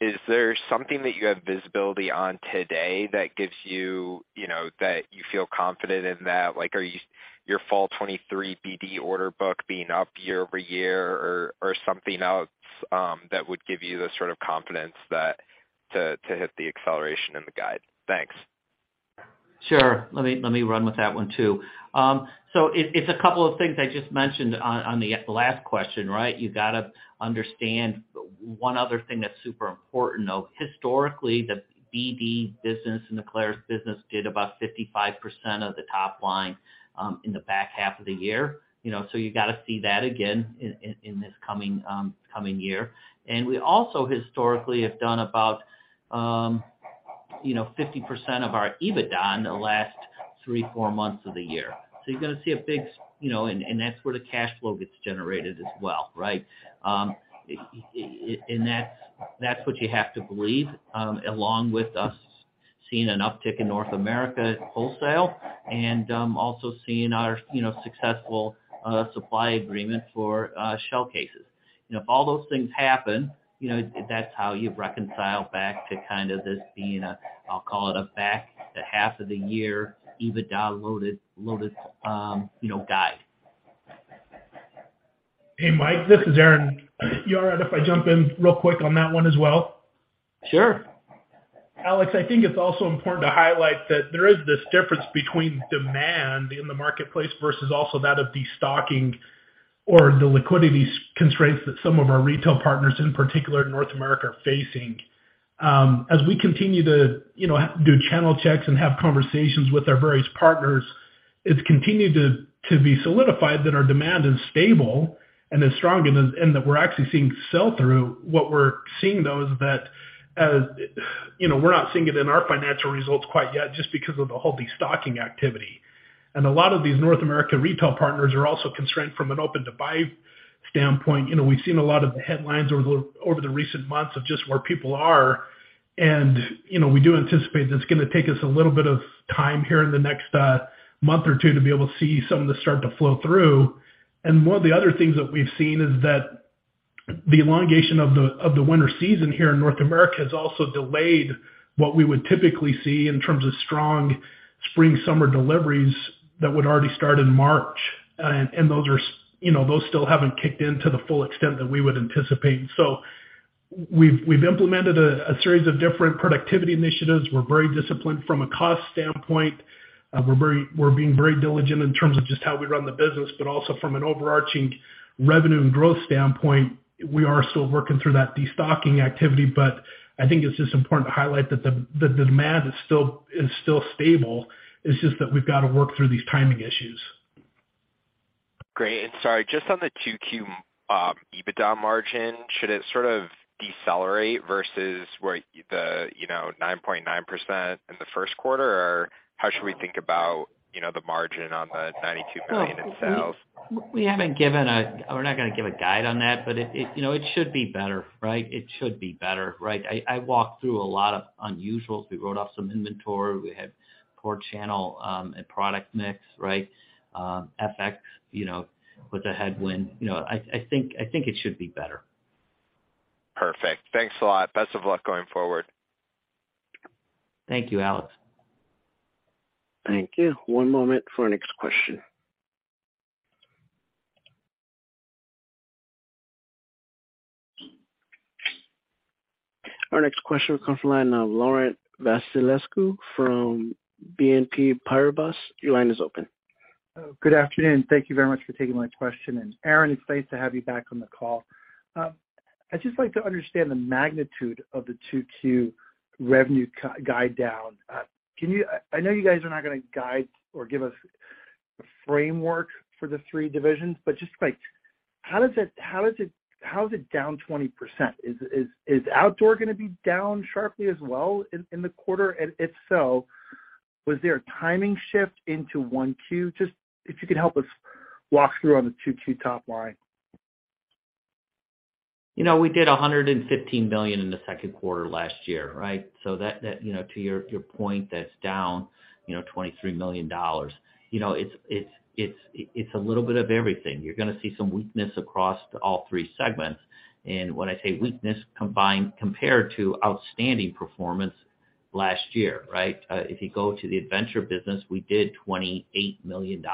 is there something that you have visibility on today that gives you know, that you feel confident in that? Like, your fall 2023 BD order book being up year-over-year or something else that would give you the sort of confidence to hit the acceleration in the guide? Thanks. Sure. Let me run with that one too. It's a couple of things I just mentioned on the last question, right? You gotta understand one other thing that's super important, though. Historically, the BD business and the Clarus's business did about 55% of the top line in the back half of the year. You know, you gotta see that again in this coming, coming year. We also historically have done about You know, 50% of our EBITDA in the last three, four months of the year. You're gonna see a big, you know, and that's where the cash flow gets generated as well, right? That's, that's what you have to believe, along with us seeing an uptick in North America wholesale and also seeing our, you know, successful supply agreement for shell cases. You know, if all those things happen, you know, that's how you reconcile back to kind of this being a, I'll call it, a back to half of the year EBITDA loaded, you know, guide. Hey, Mike, this is Aaron. You all right if I jump in real quick on that one as well? Sure. Alex, I think it's also important to highlight that there is this difference between demand in the marketplace versus also that of destocking or the liquidity constraints that some of our retail partners, in particular in North America, are facing. As we continue to, you know, do channel checks and have conversations with our various partners, it's continued to be solidified that our demand is stable and is strong and that we're actually seeing sell-through. What we're seeing, though, is that as, you know, we're not seeing it in our financial results quite yet just because of the whole destocking activity. A lot of these North American retail partners are also constrained from an open-to-buy standpoint. You know, we've seen a lot of the headlines over the recent months of just where people are. You know, we do anticipate that it's gonna take us a little bit of time here in the next month or two to be able to see some of this start to flow through. One of the other things that we've seen is that the elongation of the, of the winter season here in North America has also delayed what we would typically see in terms of strong spring, summer deliveries that would already start in March. Those are, you know, those still haven't kicked in to the full extent that we would anticipate. We've, we've implemented a series of different productivity initiatives. We're very disciplined from a cost standpoint. We're being very diligent in terms of just how we run the business, but also from an overarching revenue and growth standpoint, we are still working through that destocking activity. I think it's just important to highlight that the demand is still stable. It's just that we've got to work through these timing issues. Great. Sorry, just on the 2Q, EBITDA margin, should it sort of decelerate versus where the, you know, 9.9% in the first quarter, or how should we think about, you know, the margin on the $92 million in sales? We're not gonna give a guide on that. It, you know, it should be better, right? It should be better, right? I walked through a lot of unusuals. We wrote off some inventory. We had poor channel and product mix, right? FX, you know, was a headwind. You know, I think, I think it should be better. Perfect. Thanks a lot. Best of luck going forward. Thank you, Alex. Thank you. One moment for our next question. Our next question comes from the line of Laurent Vasilescu from BNP Paribas. Your line is open. Good afternoon. Thank you very much for taking my question. Aaron, it's nice to have you back on the call. I'd just like to understand the magnitude of the 2Q revenue guide down. Can you I know you guys are not gonna guide or give us a framework for the three divisions, but just like how is it down 20%? Is outdoor gonna be down sharply as well in the quarter? If so, was there a timing shift into 1Q? Just if you could help us walk through on the 2Q top-line. You know, we did $115 million in the second quarter last year, right? That, you know, to your point, that's down, you know, $23 million. You know, it's a little bit of everything. You're gonna see some weakness across all three segments. When I say weakness combined compared to outstanding performance last year, right? If you go to the Adventure business, we did $28 million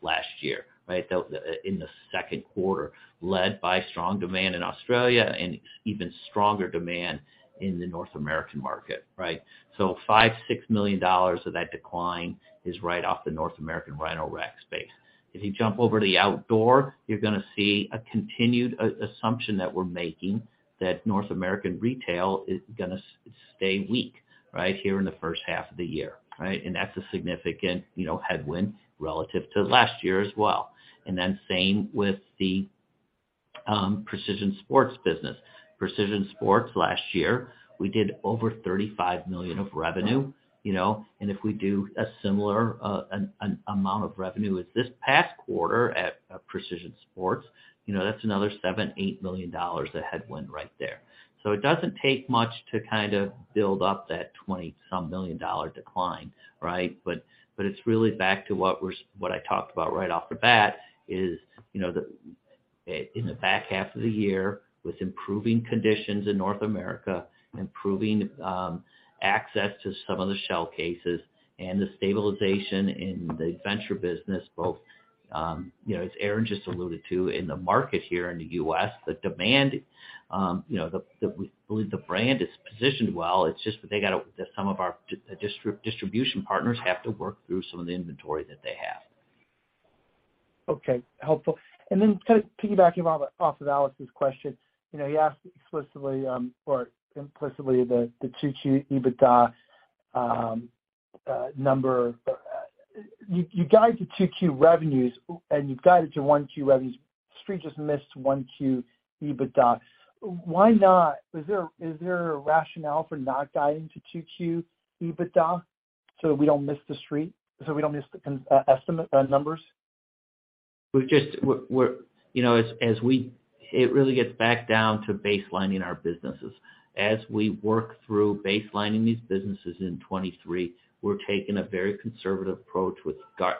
last year, right? That was in the second quarter, led by strong demand in Australia and even stronger demand in the North American market, right? $5 million-$6 million of that decline is right off the North American Rhino-Rack space. If you jump over to the outdoor, you're gonna see a continued assumption that we're making that North American retail is gonna stay weak right here in the first half of the year, right? That's a significant, you know, headwind relative to last year as well. Then same with the Precision Sports business. Precision Sports last year, we did over $35 million of revenue, you know. If we do a similar amount of revenue as this past quarter at Precision Sports, you know, that's another $7 million-$8 million of headwind right there. It doesn't take much to kind of build up that $20-some million dollar decline, right? It's really back to what I talked about right off the bat is, you know, the in the back half of the year with improving conditions in North America, improving access to some of the shell cases and the stabilization in the Adventure business, both, you know, as Aaron just alluded to, in the market here in the U.S., the demand, you know, we believe the brand is positioned well. It's just that they got to that some of our distribution partners have to work through some of the inventory that they have. Okay. Helpful. Then kind of piggybacking off of Alex's question, you know, he asked explicitly, or implicitly the 2Q EBITDA number. You guide to 2Q revenues, and you've guided to 1Q revenues. Street just missed 1Q EBITDA. Why not? Is there a rationale for not guiding to 2Q EBITDA so we don't miss the street, so we don't miss the estimate numbers? You know, it really gets back down to baselining our businesses. As we work through baselining these businesses in 2023, we're taking a very conservative approach with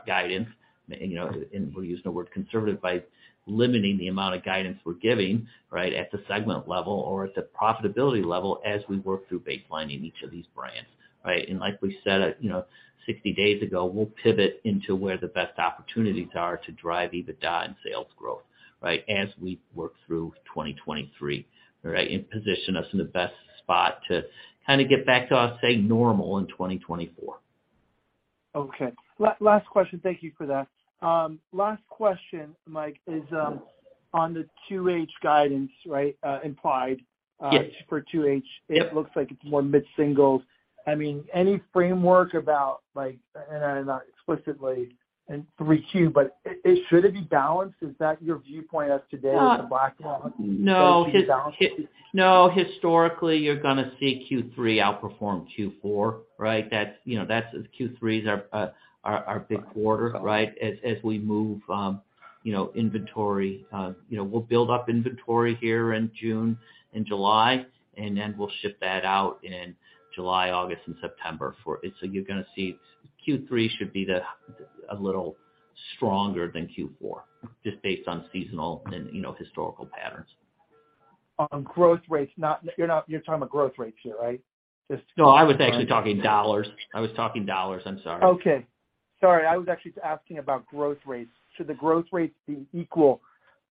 guidance, you know, and we're using the word conservative by limiting the amount of guidance we're giving, right, at the segment level or at the profitability level as we work through baselining each of these brands, right? Like we said, you know, 60 days ago, we'll pivot into where the best opportunities are to drive EBITDA and sales growth, right, as we work through 2023, right, and position us in the best spot to kind of get back to, I'll say, normal in 2024. Okay. Last question. Thank you for that. Last question, Mike, is on the 2H guidance, right. Yes. For 2H. Yep. It looks like it's more mid-singles. I mean, any framework about like, and I'm not explicitly in 3Q, but should it be balanced? Is that your viewpoint as today as the backlog? No. Should it be balanced? No. Historically, you're gonna see Q3 outperform Q4, right? That's, you know, that's Q3 is our big quarter, right? As we move, you know, inventory, you know, we'll build up inventory here in June and July, and then we'll ship that out in July, August, and September for it. You're gonna see Q3 should be a little stronger than Q4, just based on seasonal and, you know, historical patterns. On growth rates, not. You're talking about growth rates here, right? Just. No, I was actually talking dollars. I was talking dollars. I'm sorry. Okay. Sorry. I was actually asking about growth rates. Should the growth rates be equal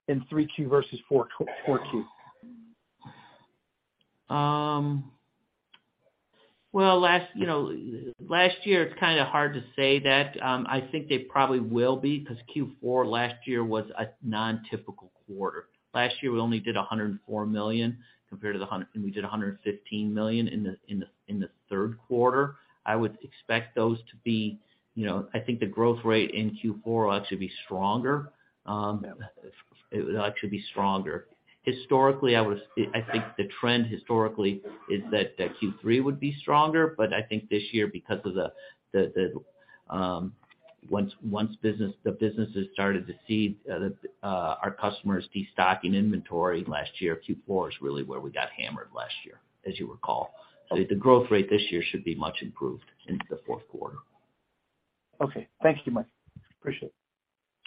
in 3Q versus 4Q? Well, last, you know, last year, it's kinda hard to say that. I think they probably will be because Q4 last year was a non-typical quarter. Last year, we only did $104 million. We did $115 million in the third quarter. I would expect those to be, you know, I think the growth rate in Q4 will actually be stronger. It will actually be stronger. Historically, I would say, I think the trend historically is that Q3 would be stronger. I think this year, because of the once business, the businesses started to see the our customers destocking inventory last year, Q4 is really where we got hammered last year, as you recall. I think the growth rate this year should be much improved into the fourth quarter. Thank you, Mike. Appreciate it.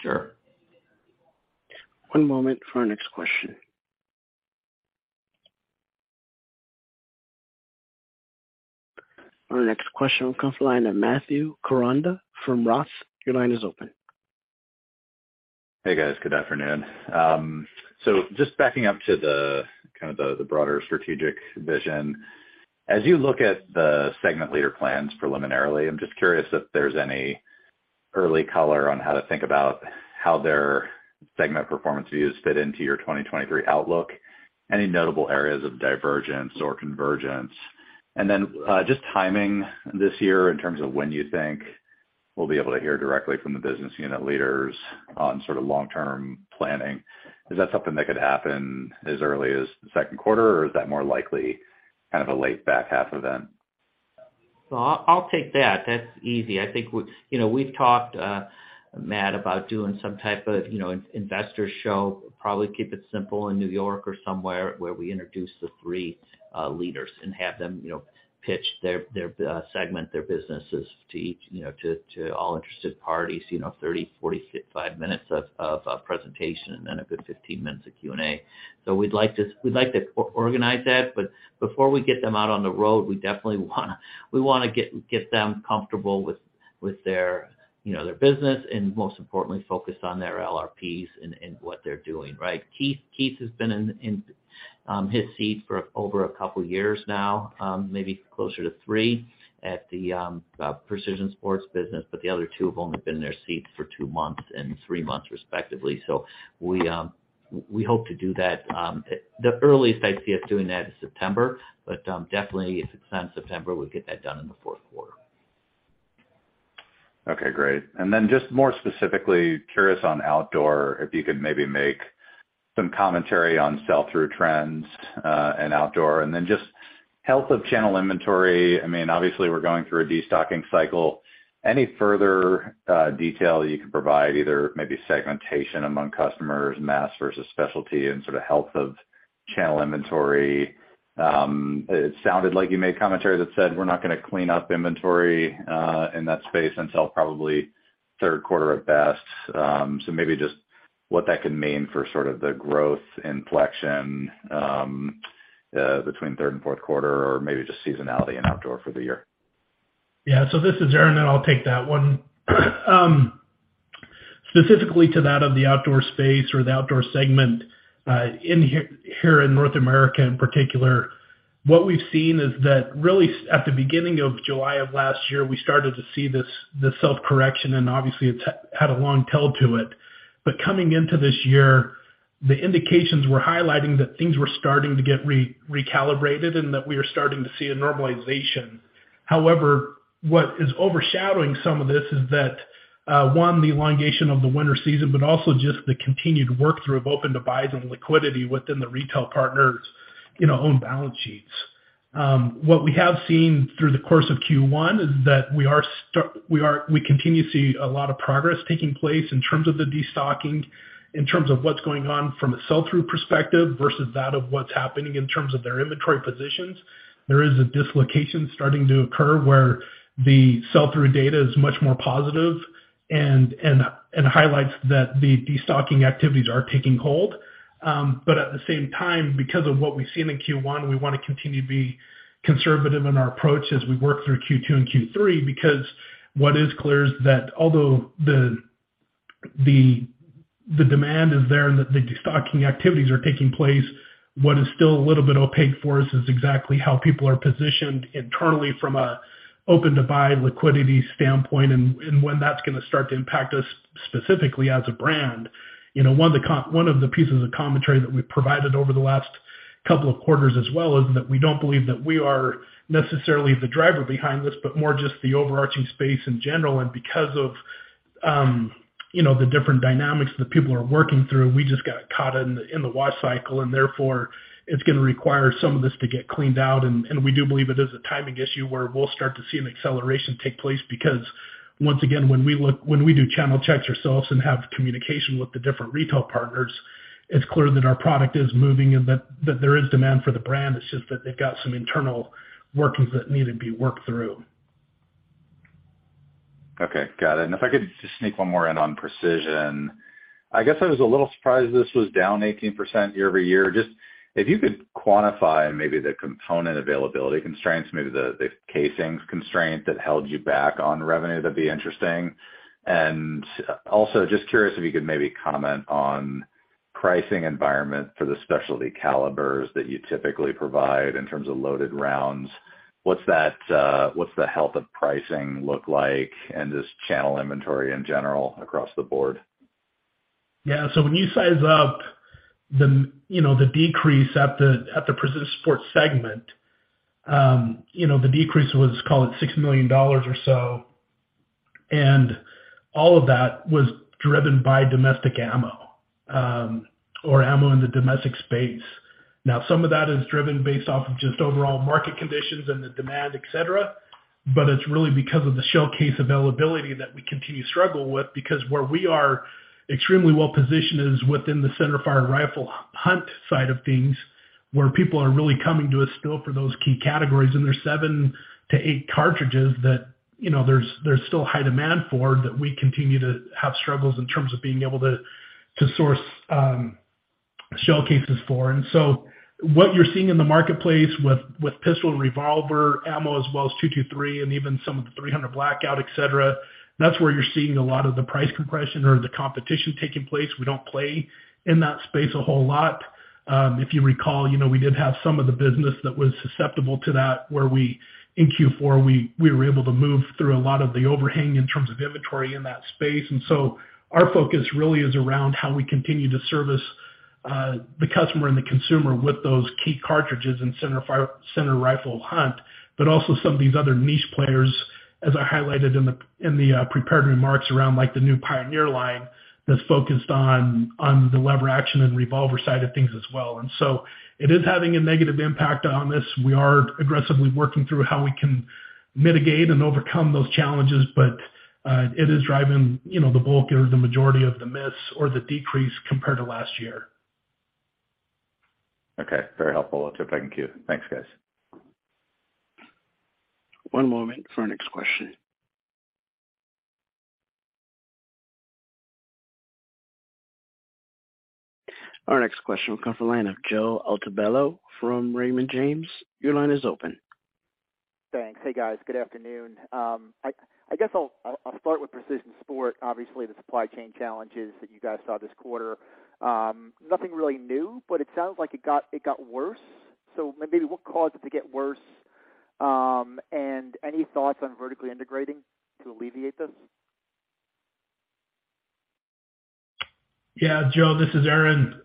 Sure. One moment for our next question. Our next question comes line of Matthew Koranda from ROTH. Your line is open. Hey, guys. Good afternoon. Just backing up to the kind of the broader strategic vision. As you look at the segment leader plans preliminarily, I'm just curious if there's any early color on how to think about how their segment performance views fit into your 2023 outlook. Any notable areas of divergence or convergence? Just timing this year in terms of when you think we'll be able to hear directly from the business unit leaders on sort of long-term planning. Is that something that could happen as early as the second quarter, or is that more likely kind of a late back half event? I'll take that. That's easy. I think we, you know, we've talked, Matt, about doing some type of, you know, investor show, probably keep it simple in New York or somewhere where we introduce the three leaders and have them, you know, pitch their segment, their businesses to each, you know, to all interested parties, you know, 30, 45 minutes of presentation and then a good 15 minutes of Q&A. We'd like to organize that, before we get them out on the road, we definitely wanna get them comfortable with their, you know, their business and most importantly, focused on their LRPs and what they're doing, right? Keith has been in his seat for over a couple of years now, maybe closer to three at the Precision Sport business, but the other two have only been in their seats for two months and three months, respectively. We hope to do that, the earliest I see us doing that is September, definitely if it's on September, we'll get that done in the fourth quarter. Okay, great. Just more specifically, curious on outdoor, if you could maybe make some commentary on sell-through trends in outdoor, and then just health of channel inventory. I mean, obviously we're going through a destocking cycle. Any further detail you could provide, either maybe segmentation among customers, mass versus specialty, and sort of health of channel inventory. It sounded like you made commentary that said, "We're not gonna clean up inventory in that space until probably third quarter at best." Maybe just what that could mean for sort of the growth inflection between third and fourth quarter or maybe just seasonality in outdoor for the year? Yeah. This is Aaron, and I'll take that one. Specifically to that of the outdoor space or the outdoor segment, here in North America in particular. What we've seen is that really at the beginning of July of last year, we started to see this self-correction, and obviously it's had a long tail to it. Coming into this year, the indications were highlighting that things were starting to get recalibrated and that we are starting to see a normalization. What is overshadowing some of this is that one, the elongation of the winter season, but also just the continued work through of open-to-buy and liquidity within the retail partners, you know, own balance sheets. What we have seen through the course of Q1 is that we continue to see a lot of progress taking place in terms of the destocking, in terms of what's going on from a sell-through perspective versus that of what's happening in terms of their inventory positions. There is a dislocation starting to occur where the sell-through data is much more positive and highlights that the destocking activities are taking hold. At the same time, because of what we've seen in Q1, we wanna continue to be conservative in our approach as we work through Q2 and Q3, because what is clear is that although the demand is there and that the destocking activities are taking place, what is still a little bit opaque for us is exactly how people are positioned internally from a open-to-buy liquidity standpoint and when that's gonna start to impact us specifically as a brand. You know, one of the pieces of commentary that we've provided over the last couple of quarters as well is that we don't believe that we are necessarily the driver behind this, but more just the overarching space in general. Because of, you know, the different dynamics that people are working through, we just got caught in the, in the wash cycle, and therefore it's gonna require some of this to get cleaned out. We do believe it is a timing issue where we'll start to see an acceleration take place because once again, when we do channel checks ourselves and have communication with the different retail partners, it's clear that our product is moving and that there is demand for the brand. It's just that they've got some internal workings that need to be worked through. Okay. Got it. If I could just sneak one more in on Precision. I guess I was a little surprised this was down 18% year-over-year. Just if you could quantify maybe the component availability constraints, maybe the casings constraint that held you back on revenue, that'd be interesting. Just curious if you could maybe comment on pricing environment for the specialty calibers that you typically provide in terms of loaded rounds. What's that, what's the health of pricing look like and just channel inventory in general across the board? When you size up the decrease at the Precision Sport segment, the decrease was, call it, $6 million or so. All of that was driven by domestic ammo or ammo in the domestic space. Some of that is driven based off of just overall market conditions and the demand, et cetera, but it's really because of the shell case availability that we continue to struggle with because where we are extremely well positioned is within the centerfire rifle hunt side of things where people are really coming to us still for those key categories. There's seven to eight cartridges that there's still high demand for that we continue to have struggles in terms of being able to source shell cases for. What you're seeing in the marketplace with pistol and revolver ammo as well as .223 and even some of the .300 Blackout, et cetera, that's where you're seeing a lot of the price compression or the competition taking place. We don't play in that space a whole lot. If you recall, you know, we did have some of the business that was susceptible to that where we, in Q4, we were able to move through a lot of the overhang in terms of inventory in that space. Our focus really is around how we continue to service the customer and the consumer with those key cartridges in centerfire rifle hunt, but also some of these other niche players, as I highlighted in the prepared remarks around like the new Pioneer line that's focused on the lever action and revolver side of things as well. It is having a negative impact on this. We are aggressively working through how we can mitigate and overcome those challenges, but it is driving, you know, the bulk or the majority of the miss or the decrease compared to last year. Okay. Very helpful. I'll jump back in queue. Thanks, guys. One moment for our next question. Our next question will come from the line of Joe Altobello from Raymond James. Your line is open. Thanks. Hey, guys. Good afternoon. I guess I'll start with Precision Sport. Obviously, the supply chain challenges that you guys saw this quarter, nothing really new, but it sounds like it got worse. Maybe what caused it to get worse, and any thoughts on vertically integrating to alleviate this? Yeah. Joe, this is Aaron.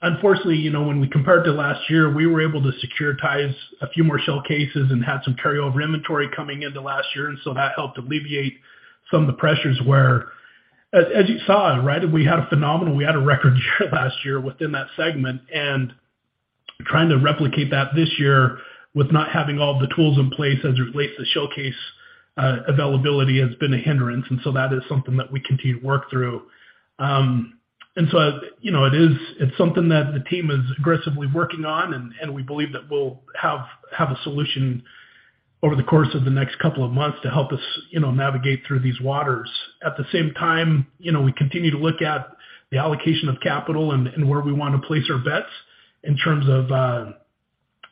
Unfortunately, you know, when we compared to last year, we were able to securitize a few more shell cases and had some carryover inventory coming into last year, that helped alleviate some of the pressures where as you saw, right, we had a record year last year within that segment. Trying to replicate that this year with not having all the tools in place as it relates to shell case availability has been a hindrance. That is something that we continue to work through. You know, it's something that the team is aggressively working on and we believe that we'll have a solution over the course of the next couple of months to help us, you know, navigate through these waters. At the same time, you know, we continue to look at the allocation of capital and where we wanna place our bets in terms of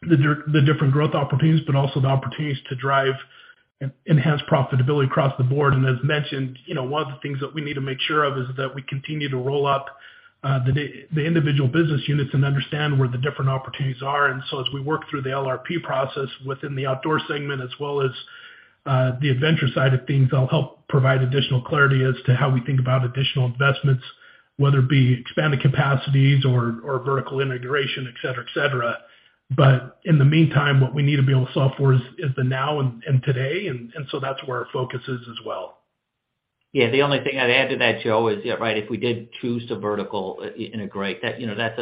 the different growth opportunities, but also the opportunities to enhance profitability across the board. As mentioned, you know, one of the things that we need to make sure of is that we continue to roll up the individual business units and understand where the different opportunities are. As we work through the LRP process within the outdoor segment as well as the Adventure side of things, that'll help provide additional clarity as to how we think about additional investments, whether it be expanded capacities or vertical integration, et cetera, et cetera. In the meantime, what we need to be able to solve for is the now and today, and so that's where our focus is as well. Yeah. The only thing I'd add to that, Joe, is, yeah, right, if we did choose to vertical integrate, that, you know, that's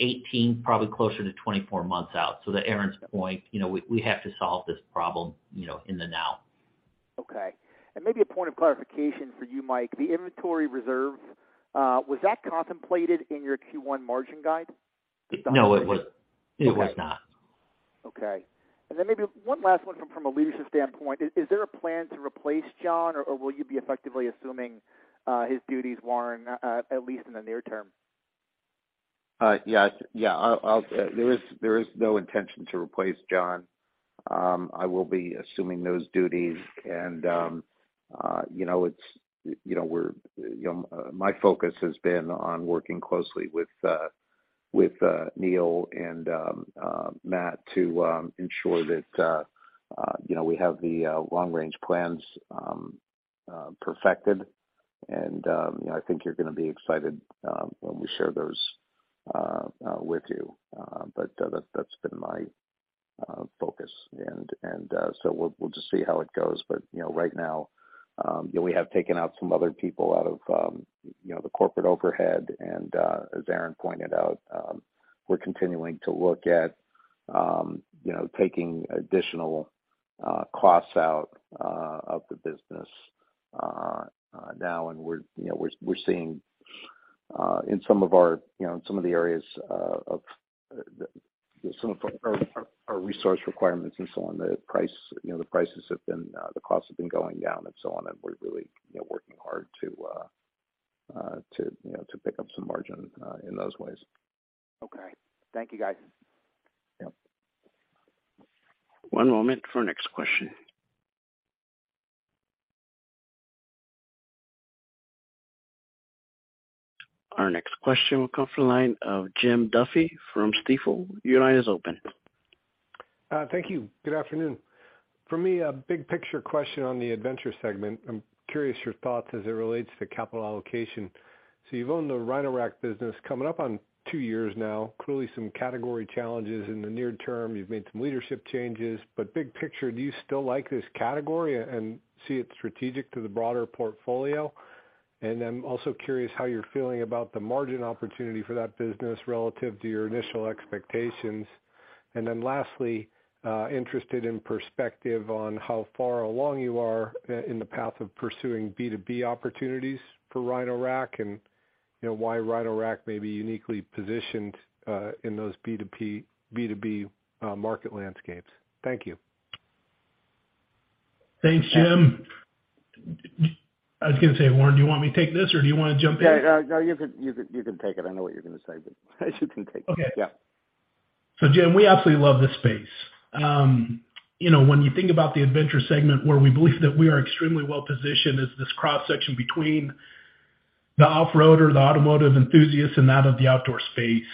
18 probably closer to 24 months out. To Aaron's point, you know, we have to solve this problem, you know, in the now. Okay. Maybe a point of clarification for you, Mike. The inventory reserve, was that contemplated in your Q1 margin guide? No, it was, it was not. Okay. Maybe one last one from a leadership standpoint. Is there a plan to replace John, or will you be effectively assuming his duties, Warren, at least in the near term? Yes. There is no intention to replace John. I will be assuming those duties. You know, it's, you know, we're, my focus has been on working closely with Neil and Matt to ensure that, you know, we have the long-range plans perfected. You know, I think you're gonna be excited when we share those with you. That's been my focus. We'll just see how it goes. You know, right now, you know, we have taken out some other people out of, you know, the corporate overhead. As Aaron pointed out, we're continuing to look at, you know, taking additional costs out of the business now. We're, you know, seeing in some of our, you know, in some of the areas, Some of our resource requirements and so on, the prices have been, the costs have been going down and so on, and we're really, you know, working hard to pick up some margin in those ways. Okay. Thank you, guys. Yep. One moment for the next question. Our next question will come from the line of Jim Duffy from Stifel. Your line is open. Thank you. Good afternoon. For me, a big picture question on the Adventure segment. I'm curious your thoughts as it relates to capital allocation. You've owned the Rhino-Rack business coming up on two years now. Clearly some category challenges in the near term. You've made some leadership changes. Big picture, do you still like this category and see it strategic to the broader portfolio? I'm also curious how you're feeling about the margin opportunity for that business relative to your initial expectations. Lastly, interested in perspective on how far along you are in the path of pursuing B2B opportunities for Rhino-Rack and, you know, why Rhino-Rack may be uniquely positioned in those B2B market landscapes. Thank you. Thanks, Jim. I was gonna say, Warren, do you want me to take this or do you wanna jump in? No, you can take it. I know what you're gonna say, but you can take it. Okay. Yeah. Jim, we absolutely love this space. You know, when you think about the Adventure segment, where we believe that we are extremely well-positioned, is this cross-section between the off-road or the automotive enthusiasts and that of the outdoor space.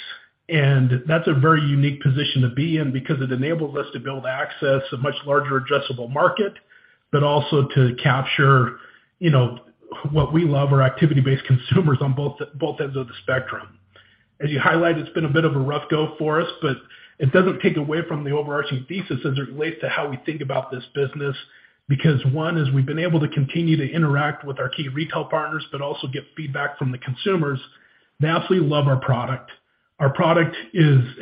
That's a very unique position to be in because it enables us to build access, a much larger addressable market, but also to capture, you know, what we love, our activity-based consumers on both ends of the spectrum. As you highlighted, it's been a bit of a rough go for us, but it doesn't take away from the overarching thesis as it relates to how we think about this business. One is we've been able to continue to interact with our key retail partners, but also get feedback from the consumers. They absolutely love our product. Our product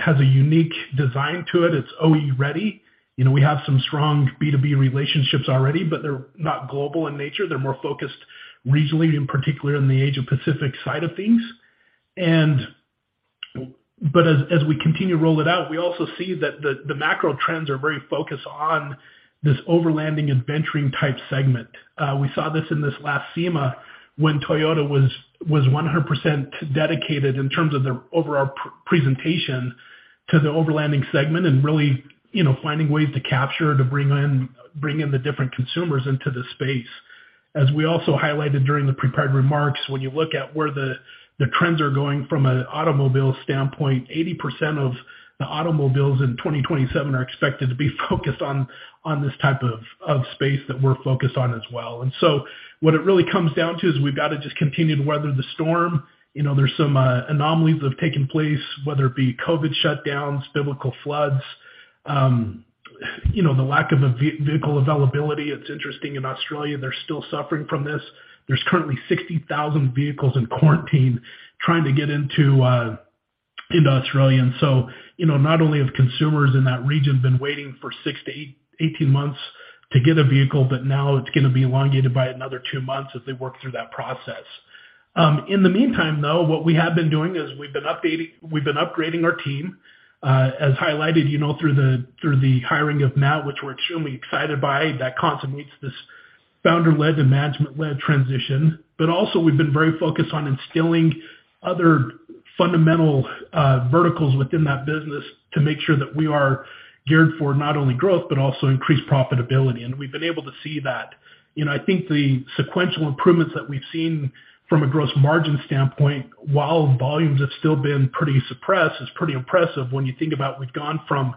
has a unique design to it. It's OE ready. You know, we have some strong B2B relationships already, but they're not global in nature. They're more focused regionally, in particular in the Asia-Pacific side of things. As we continue to roll it out, we also see that the macro trends are very focused on this overlanding adventuring type segment. We saw this in this last SEMA when Toyota was 100% dedicated in terms of their overall presentation to the overlanding segment and really, you know, finding ways to capture, to bring in the different consumers into the space. As we also highlighted during the prepared remarks, when you look at where the trends are going from an automobile standpoint, 80% of the automobiles in 2027 are expected to be focused on this type of space that we're focused on as well. What it really comes down to is we've got to just continue to weather the storm. You know, there's some anomalies that have taken place, whether it be COVID shutdowns, biblical floods, you know, the lack of a vehicle availability. It's interesting, in Australia, they're still suffering from this. There's currently 60,000 vehicles in quarantine trying to get into Australia. You know, not only have consumers in that region been waiting for six to 18 months to get a vehicle, but now it's gonna be elongated by another two months as they work through that process. In the meantime, though, what we have been doing is we've been upgrading our team, as highlighted, you know, through the hiring of Matt, which we're extremely excited by. That consummates this Founder-led and management-led transition. Also, we've been very focused on instilling other fundamental verticals within that business to make sure that we are geared for not only growth but also increased profitability. We've been able to see that. You know, I think the sequential improvements that we've seen from a gross margin standpoint, while volumes have still been pretty suppressed, is pretty impressive when you think about we've gone from,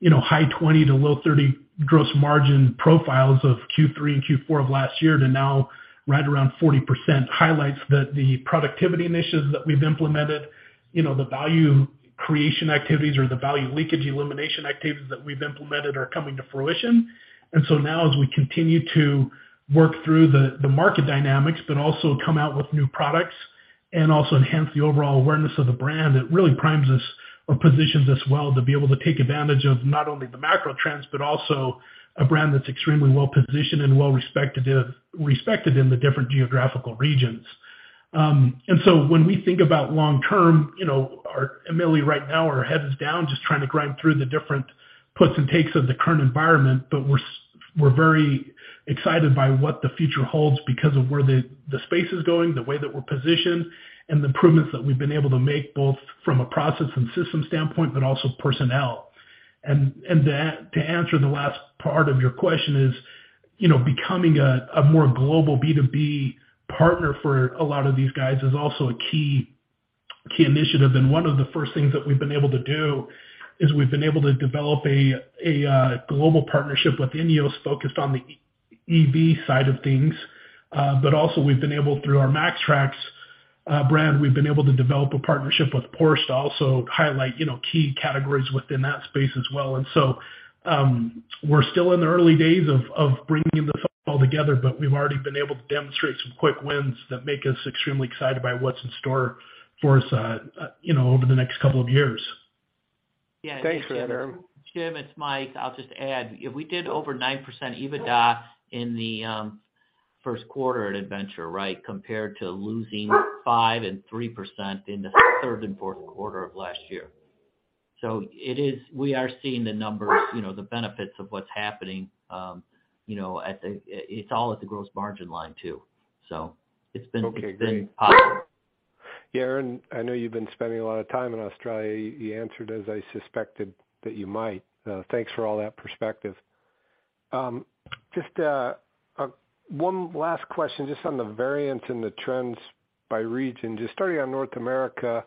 you know, high 20% to low 30% gross margin profiles of Q3 and Q4 of last year to now right around 40%, highlights that the productivity initiatives that we've implemented, you know, the value creation activities or the value leakage elimination activities that we've implemented are coming to fruition. Now, as we continue to work through the market dynamics, but also come out with new products and also enhance the overall awareness of the brand, it really primes us or positions us well to be able to take advantage of not only the macro trends, but also a brand that's extremely well-positioned and well-respected in the different geographical regions. When we think about long-term, you know, immediately right now, our head is down, just trying to grind through the different puts and takes of the current environment. We're very excited by what the future holds because of where the space is going, the way that we're positioned, and the improvements that we've been able to make, both from a process and system standpoint, but also personnel. To answer the last part of your question is, you know, becoming a more global B2B partner for a lot of these guys is also a key initiative. One of the first things that we've been able to do is we've been able to develop a global partnership with INEOS focused on the EV side of things. We've been able, through our MAXTRAX brand, we've been able to develop a partnership with Porsche to also highlight, you know, key categories within that space as well. We're still in the early days of bringing the football together, but we've already been able to demonstrate some quick wins that make us extremely excited by what's in store for us, you know, over the next two years. Yeah. Thanks, Aaron. Jim, it's Mike. I'll just add. We did over 9% EBITDA in the first quarter at Adventure, right? Compared to losing 5% and 3% in the third and fourth quarter of last year. We are seeing the numbers, you know, the benefits of what's happening, you know, it's all at the gross margin line, too. It's been. Okay, great. It's been positive. Yeah, Aaron, I know you've been spending a lot of time in Australia. You answered as I suspected that you might. Thanks for all that perspective. Just one last question, just on the variance in the trends by region. Just starting on North America,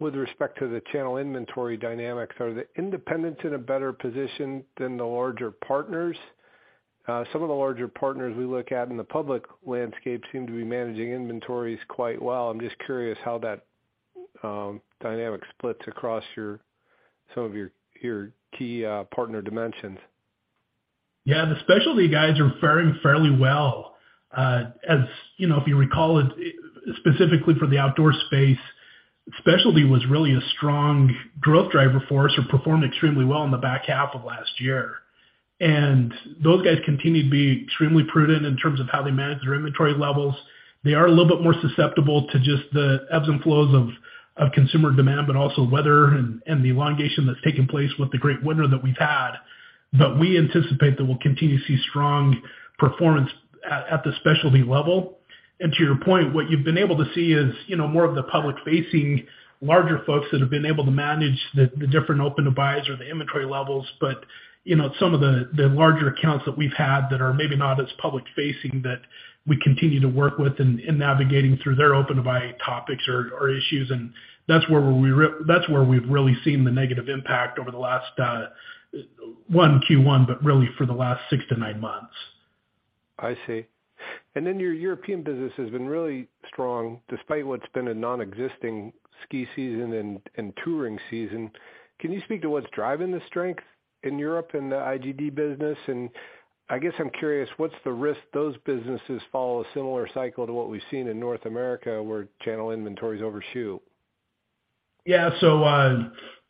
with respect to the channel inventory dynamics, are the independents in a better position than the larger partners? Some of the larger partners we look at in the public landscape seem to be managing inventories quite well. I'm just curious how that dynamic splits across some of your key partner dimensions. The specialty guys are faring fairly well. As, you know, if you recall, specifically for the outdoor space, specialty was really a strong growth driver for us or performed extremely well in the back half of last year. Those guys continue to be extremely prudent in terms of how they manage their inventory levels. They are a little bit more susceptible to just the ebbs and flows of consumer demand, but also weather and the elongation that's taken place with the great winter that we've had. We anticipate that we'll continue to see strong performance at the specialty level. To your point, what you've been able to see is, you know, more of the public-facing larger folks that have been able to manage the different open-to-buys or the inventory levels. You know, some of the larger accounts that we've had that are maybe not as public-facing that we continue to work with in navigating through their open-to-buy topics or issues, and that's where we've really seen the negative impact over the last, one Q1, but really for the last six to nine months. I see. Then your European business has been really strong despite what's been a non-existing ski season and touring season. Can you speak to what's driving the strength in Europe and the IGD business? I guess I'm curious, what's the risk those businesses follow a similar cycle to what we've seen in North America, where channel inventories overshoot?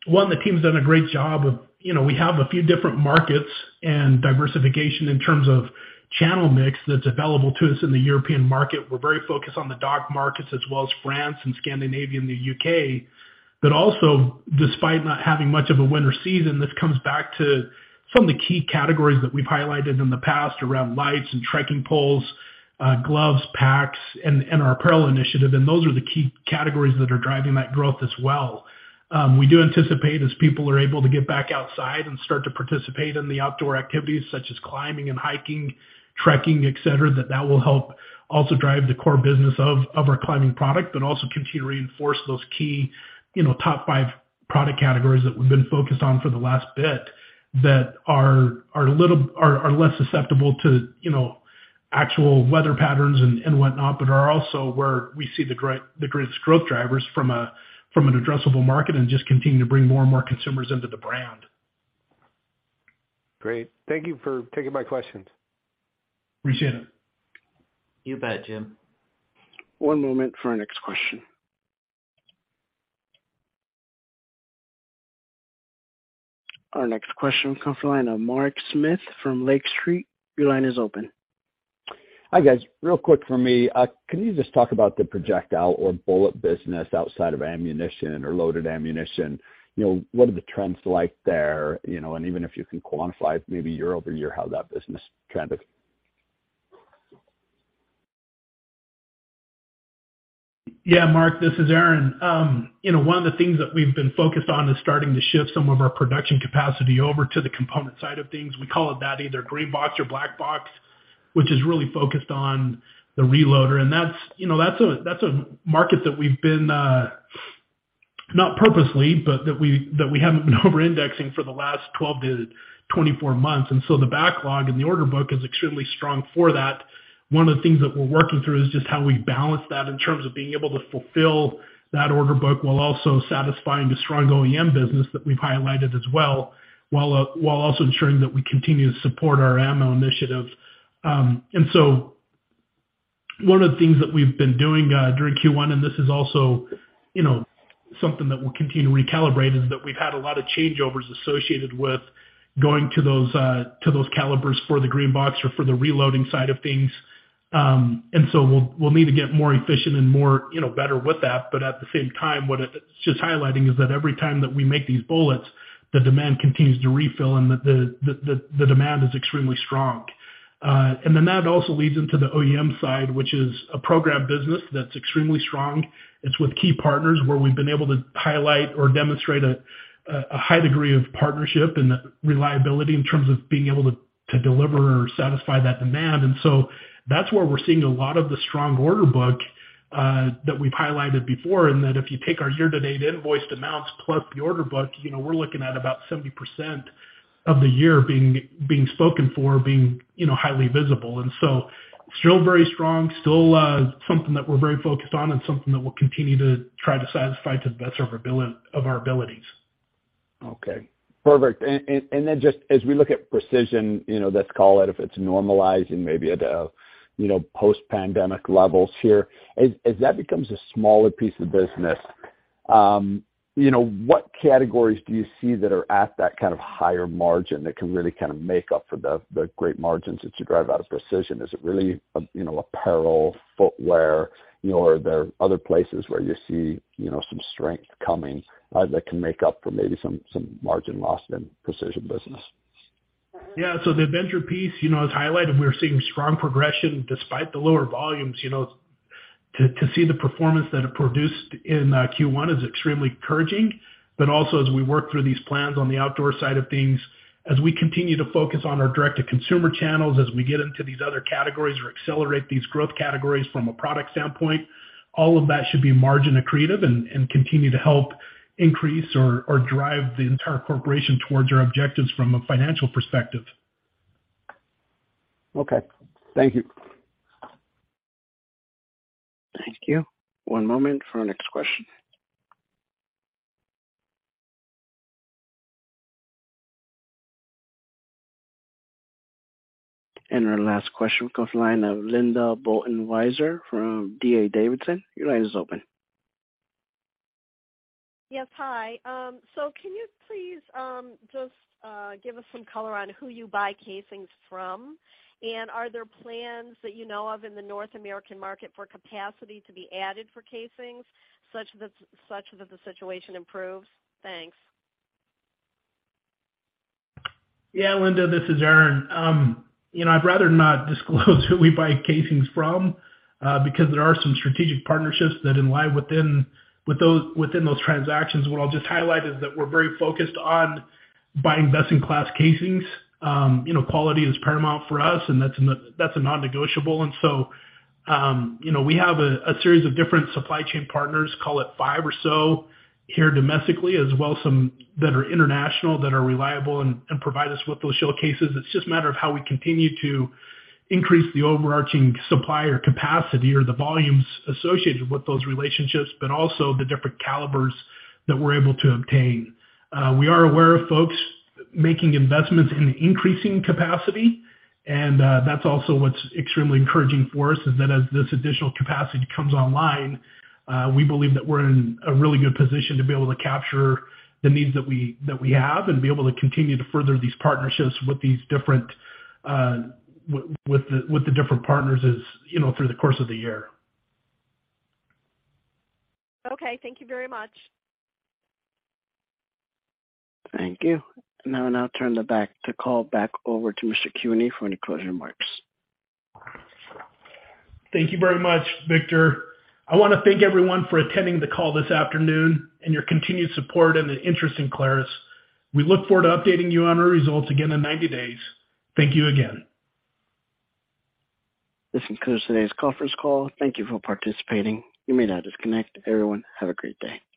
The team's done a great job of... You know, we have a few different markets and diversification in terms of channel mix that's available to us in the European market. We're very focused on the DACH markets as well as France and Scandinavia and the U.K. Also despite not having much of a winter season, this comes back to some of the key categories that we've highlighted in the past around lights and trekking poles, gloves, packs, and our apparel initiative, and those are the key categories that are driving that growth as well. We do anticipate, as people are able to get back outside and start to participate in the outdoor activities such as climbing and hiking, trekking, et cetera, that that will help also drive the core business of our climbing product, but also continue to reinforce those key, you know, top five product categories that we've been focused on for the last bit that are a little less susceptible to, you know, actual weather patterns and whatnot, but are also where we see the greatest growth drivers from an addressable market and just continue to bring more and more consumers into the brand. Great. Thank you for taking my questions. Appreciate it. You bet, Jim. One moment for our next question. Our next question comes from the line of Mark Smith from Lake Street. Your line is open. Hi, guys. Real quick for me. Can you just talk about the projectile or bullet business outside of ammunition or loaded ammunition? You know, what are the trends like there? You know, even if you can quantify maybe year-over-year how that business trend is? Yeah, Mark, this is Aaron. You know, one of the things that we've been focused on is starting to shift some of our production capacity over to the component side of things. We call it that either green box or black box, which is really focused on the reloader. That's, you know, that's a, that's a market that we've been not purposely, but that we haven't been over-indexing for the last 12 to 24 months. So the backlog in the order book is extremely strong for that. One of the things that we're working through is just how we balance that in terms of being able to fulfill that order book while also satisfying the strong OEM business that we've highlighted as well, while also ensuring that we continue to support our ammo initiatives. One of the things that we've been doing during Q1, and this is also, you know, something that we'll continue to recalibrate, is that we've had a lot of changeovers associated with going to those to those calibers for the green box or for the reloading side of things. We'll need to get more efficient and more, you know, better with that. At the same time, what it's just highlighting is that every time that we make these bullets, the demand continues to refill and the demand is extremely strong. That also leads into the OEM side, which is a program business that's extremely strong. It's with key partners where we've been able to highlight or demonstrate a high degree of partnership and reliability in terms of being able to deliver or satisfy that demand. That's where we're seeing a lot of the strong order book that we've highlighted before, and that if you take our year-to-date invoiced amounts plus the order book, you know, we're looking at about 70% of the year being spoken for being, you know, highly visible. Still very strong, still something that we're very focused on and something that we'll continue to try to satisfy to the best of our abilities. Okay. Perfect. Then just as we look at Precision, you know, let's call it, if it's normalizing maybe at a, you know, post-pandemic levels here, as that becomes a smaller piece of business, you know, what categories do you see that are at that kind of higher margin that can really kind of make up for the great margins that you drive out of Precision? Is it really, you know, apparel, footwear? You know, are there other places where you see, you know, some strength coming that can make up for maybe some margin loss in Precision business? The Adventure piece, you know, as highlighted, we're seeing strong progression despite the lower volumes. You know, to see the performance that it produced in Q1 is extremely encouraging. Also, as we work through these plans on the outdoor side of things, as we continue to focus on our direct-to-consumer channels, as we get into these other categories or accelerate these growth categories from a product standpoint, all of that should be margin accretive and continue to help increase or drive the entire Corporation towards our objectives from a financial perspective. Okay. Thank you. Thank you. One moment for our next question. Our last question comes line of Linda Bolton Weiser from D.A. Davidson. Your line is open. Yes. Hi. Can you please just give us some color on who you buy casings from? Are there plans that you know of in the North American market for capacity to be added for casings such that the situation improves? Thanks. Linda, this is Aaron. you know, I'd rather not disclose who we buy casings from, because there are some strategic partnerships that lie within those transactions. What I'll just highlight is that we're very focused on buying best-in-class casings. you know, quality is paramount for us, and that's a non-negotiable. you know, we have a series of different supply chain partners, call it five or so here domestically as well some that are international that are reliable and provide us with those shell cases. It's just a matter of how we continue to increase the overarching supplier capacity or the volumes associated with those relationships, but also the different calibers that we're able to obtain. We are aware of folks making investments in increasing capacity, and that's also what's extremely encouraging for us is that as this additional capacity comes online, we believe that we're in a really good position to be able to capture the needs that we have and be able to continue to further these partnerships with these different partners as, you know, through the course of the year. Okay. Thank you very much. Thank you. Now I now turn the call back over to Mr. Kuehne for any closing remarks. Thank you very much, Victor. I wanna thank everyone for attending the call this afternoon and your continued support and the interest in Clarus. We look forward to updating you on our results again in 90 days. Thank you again. This concludes today's conference call. Thank you for participating. You may now disconnect. Everyone, have a great day.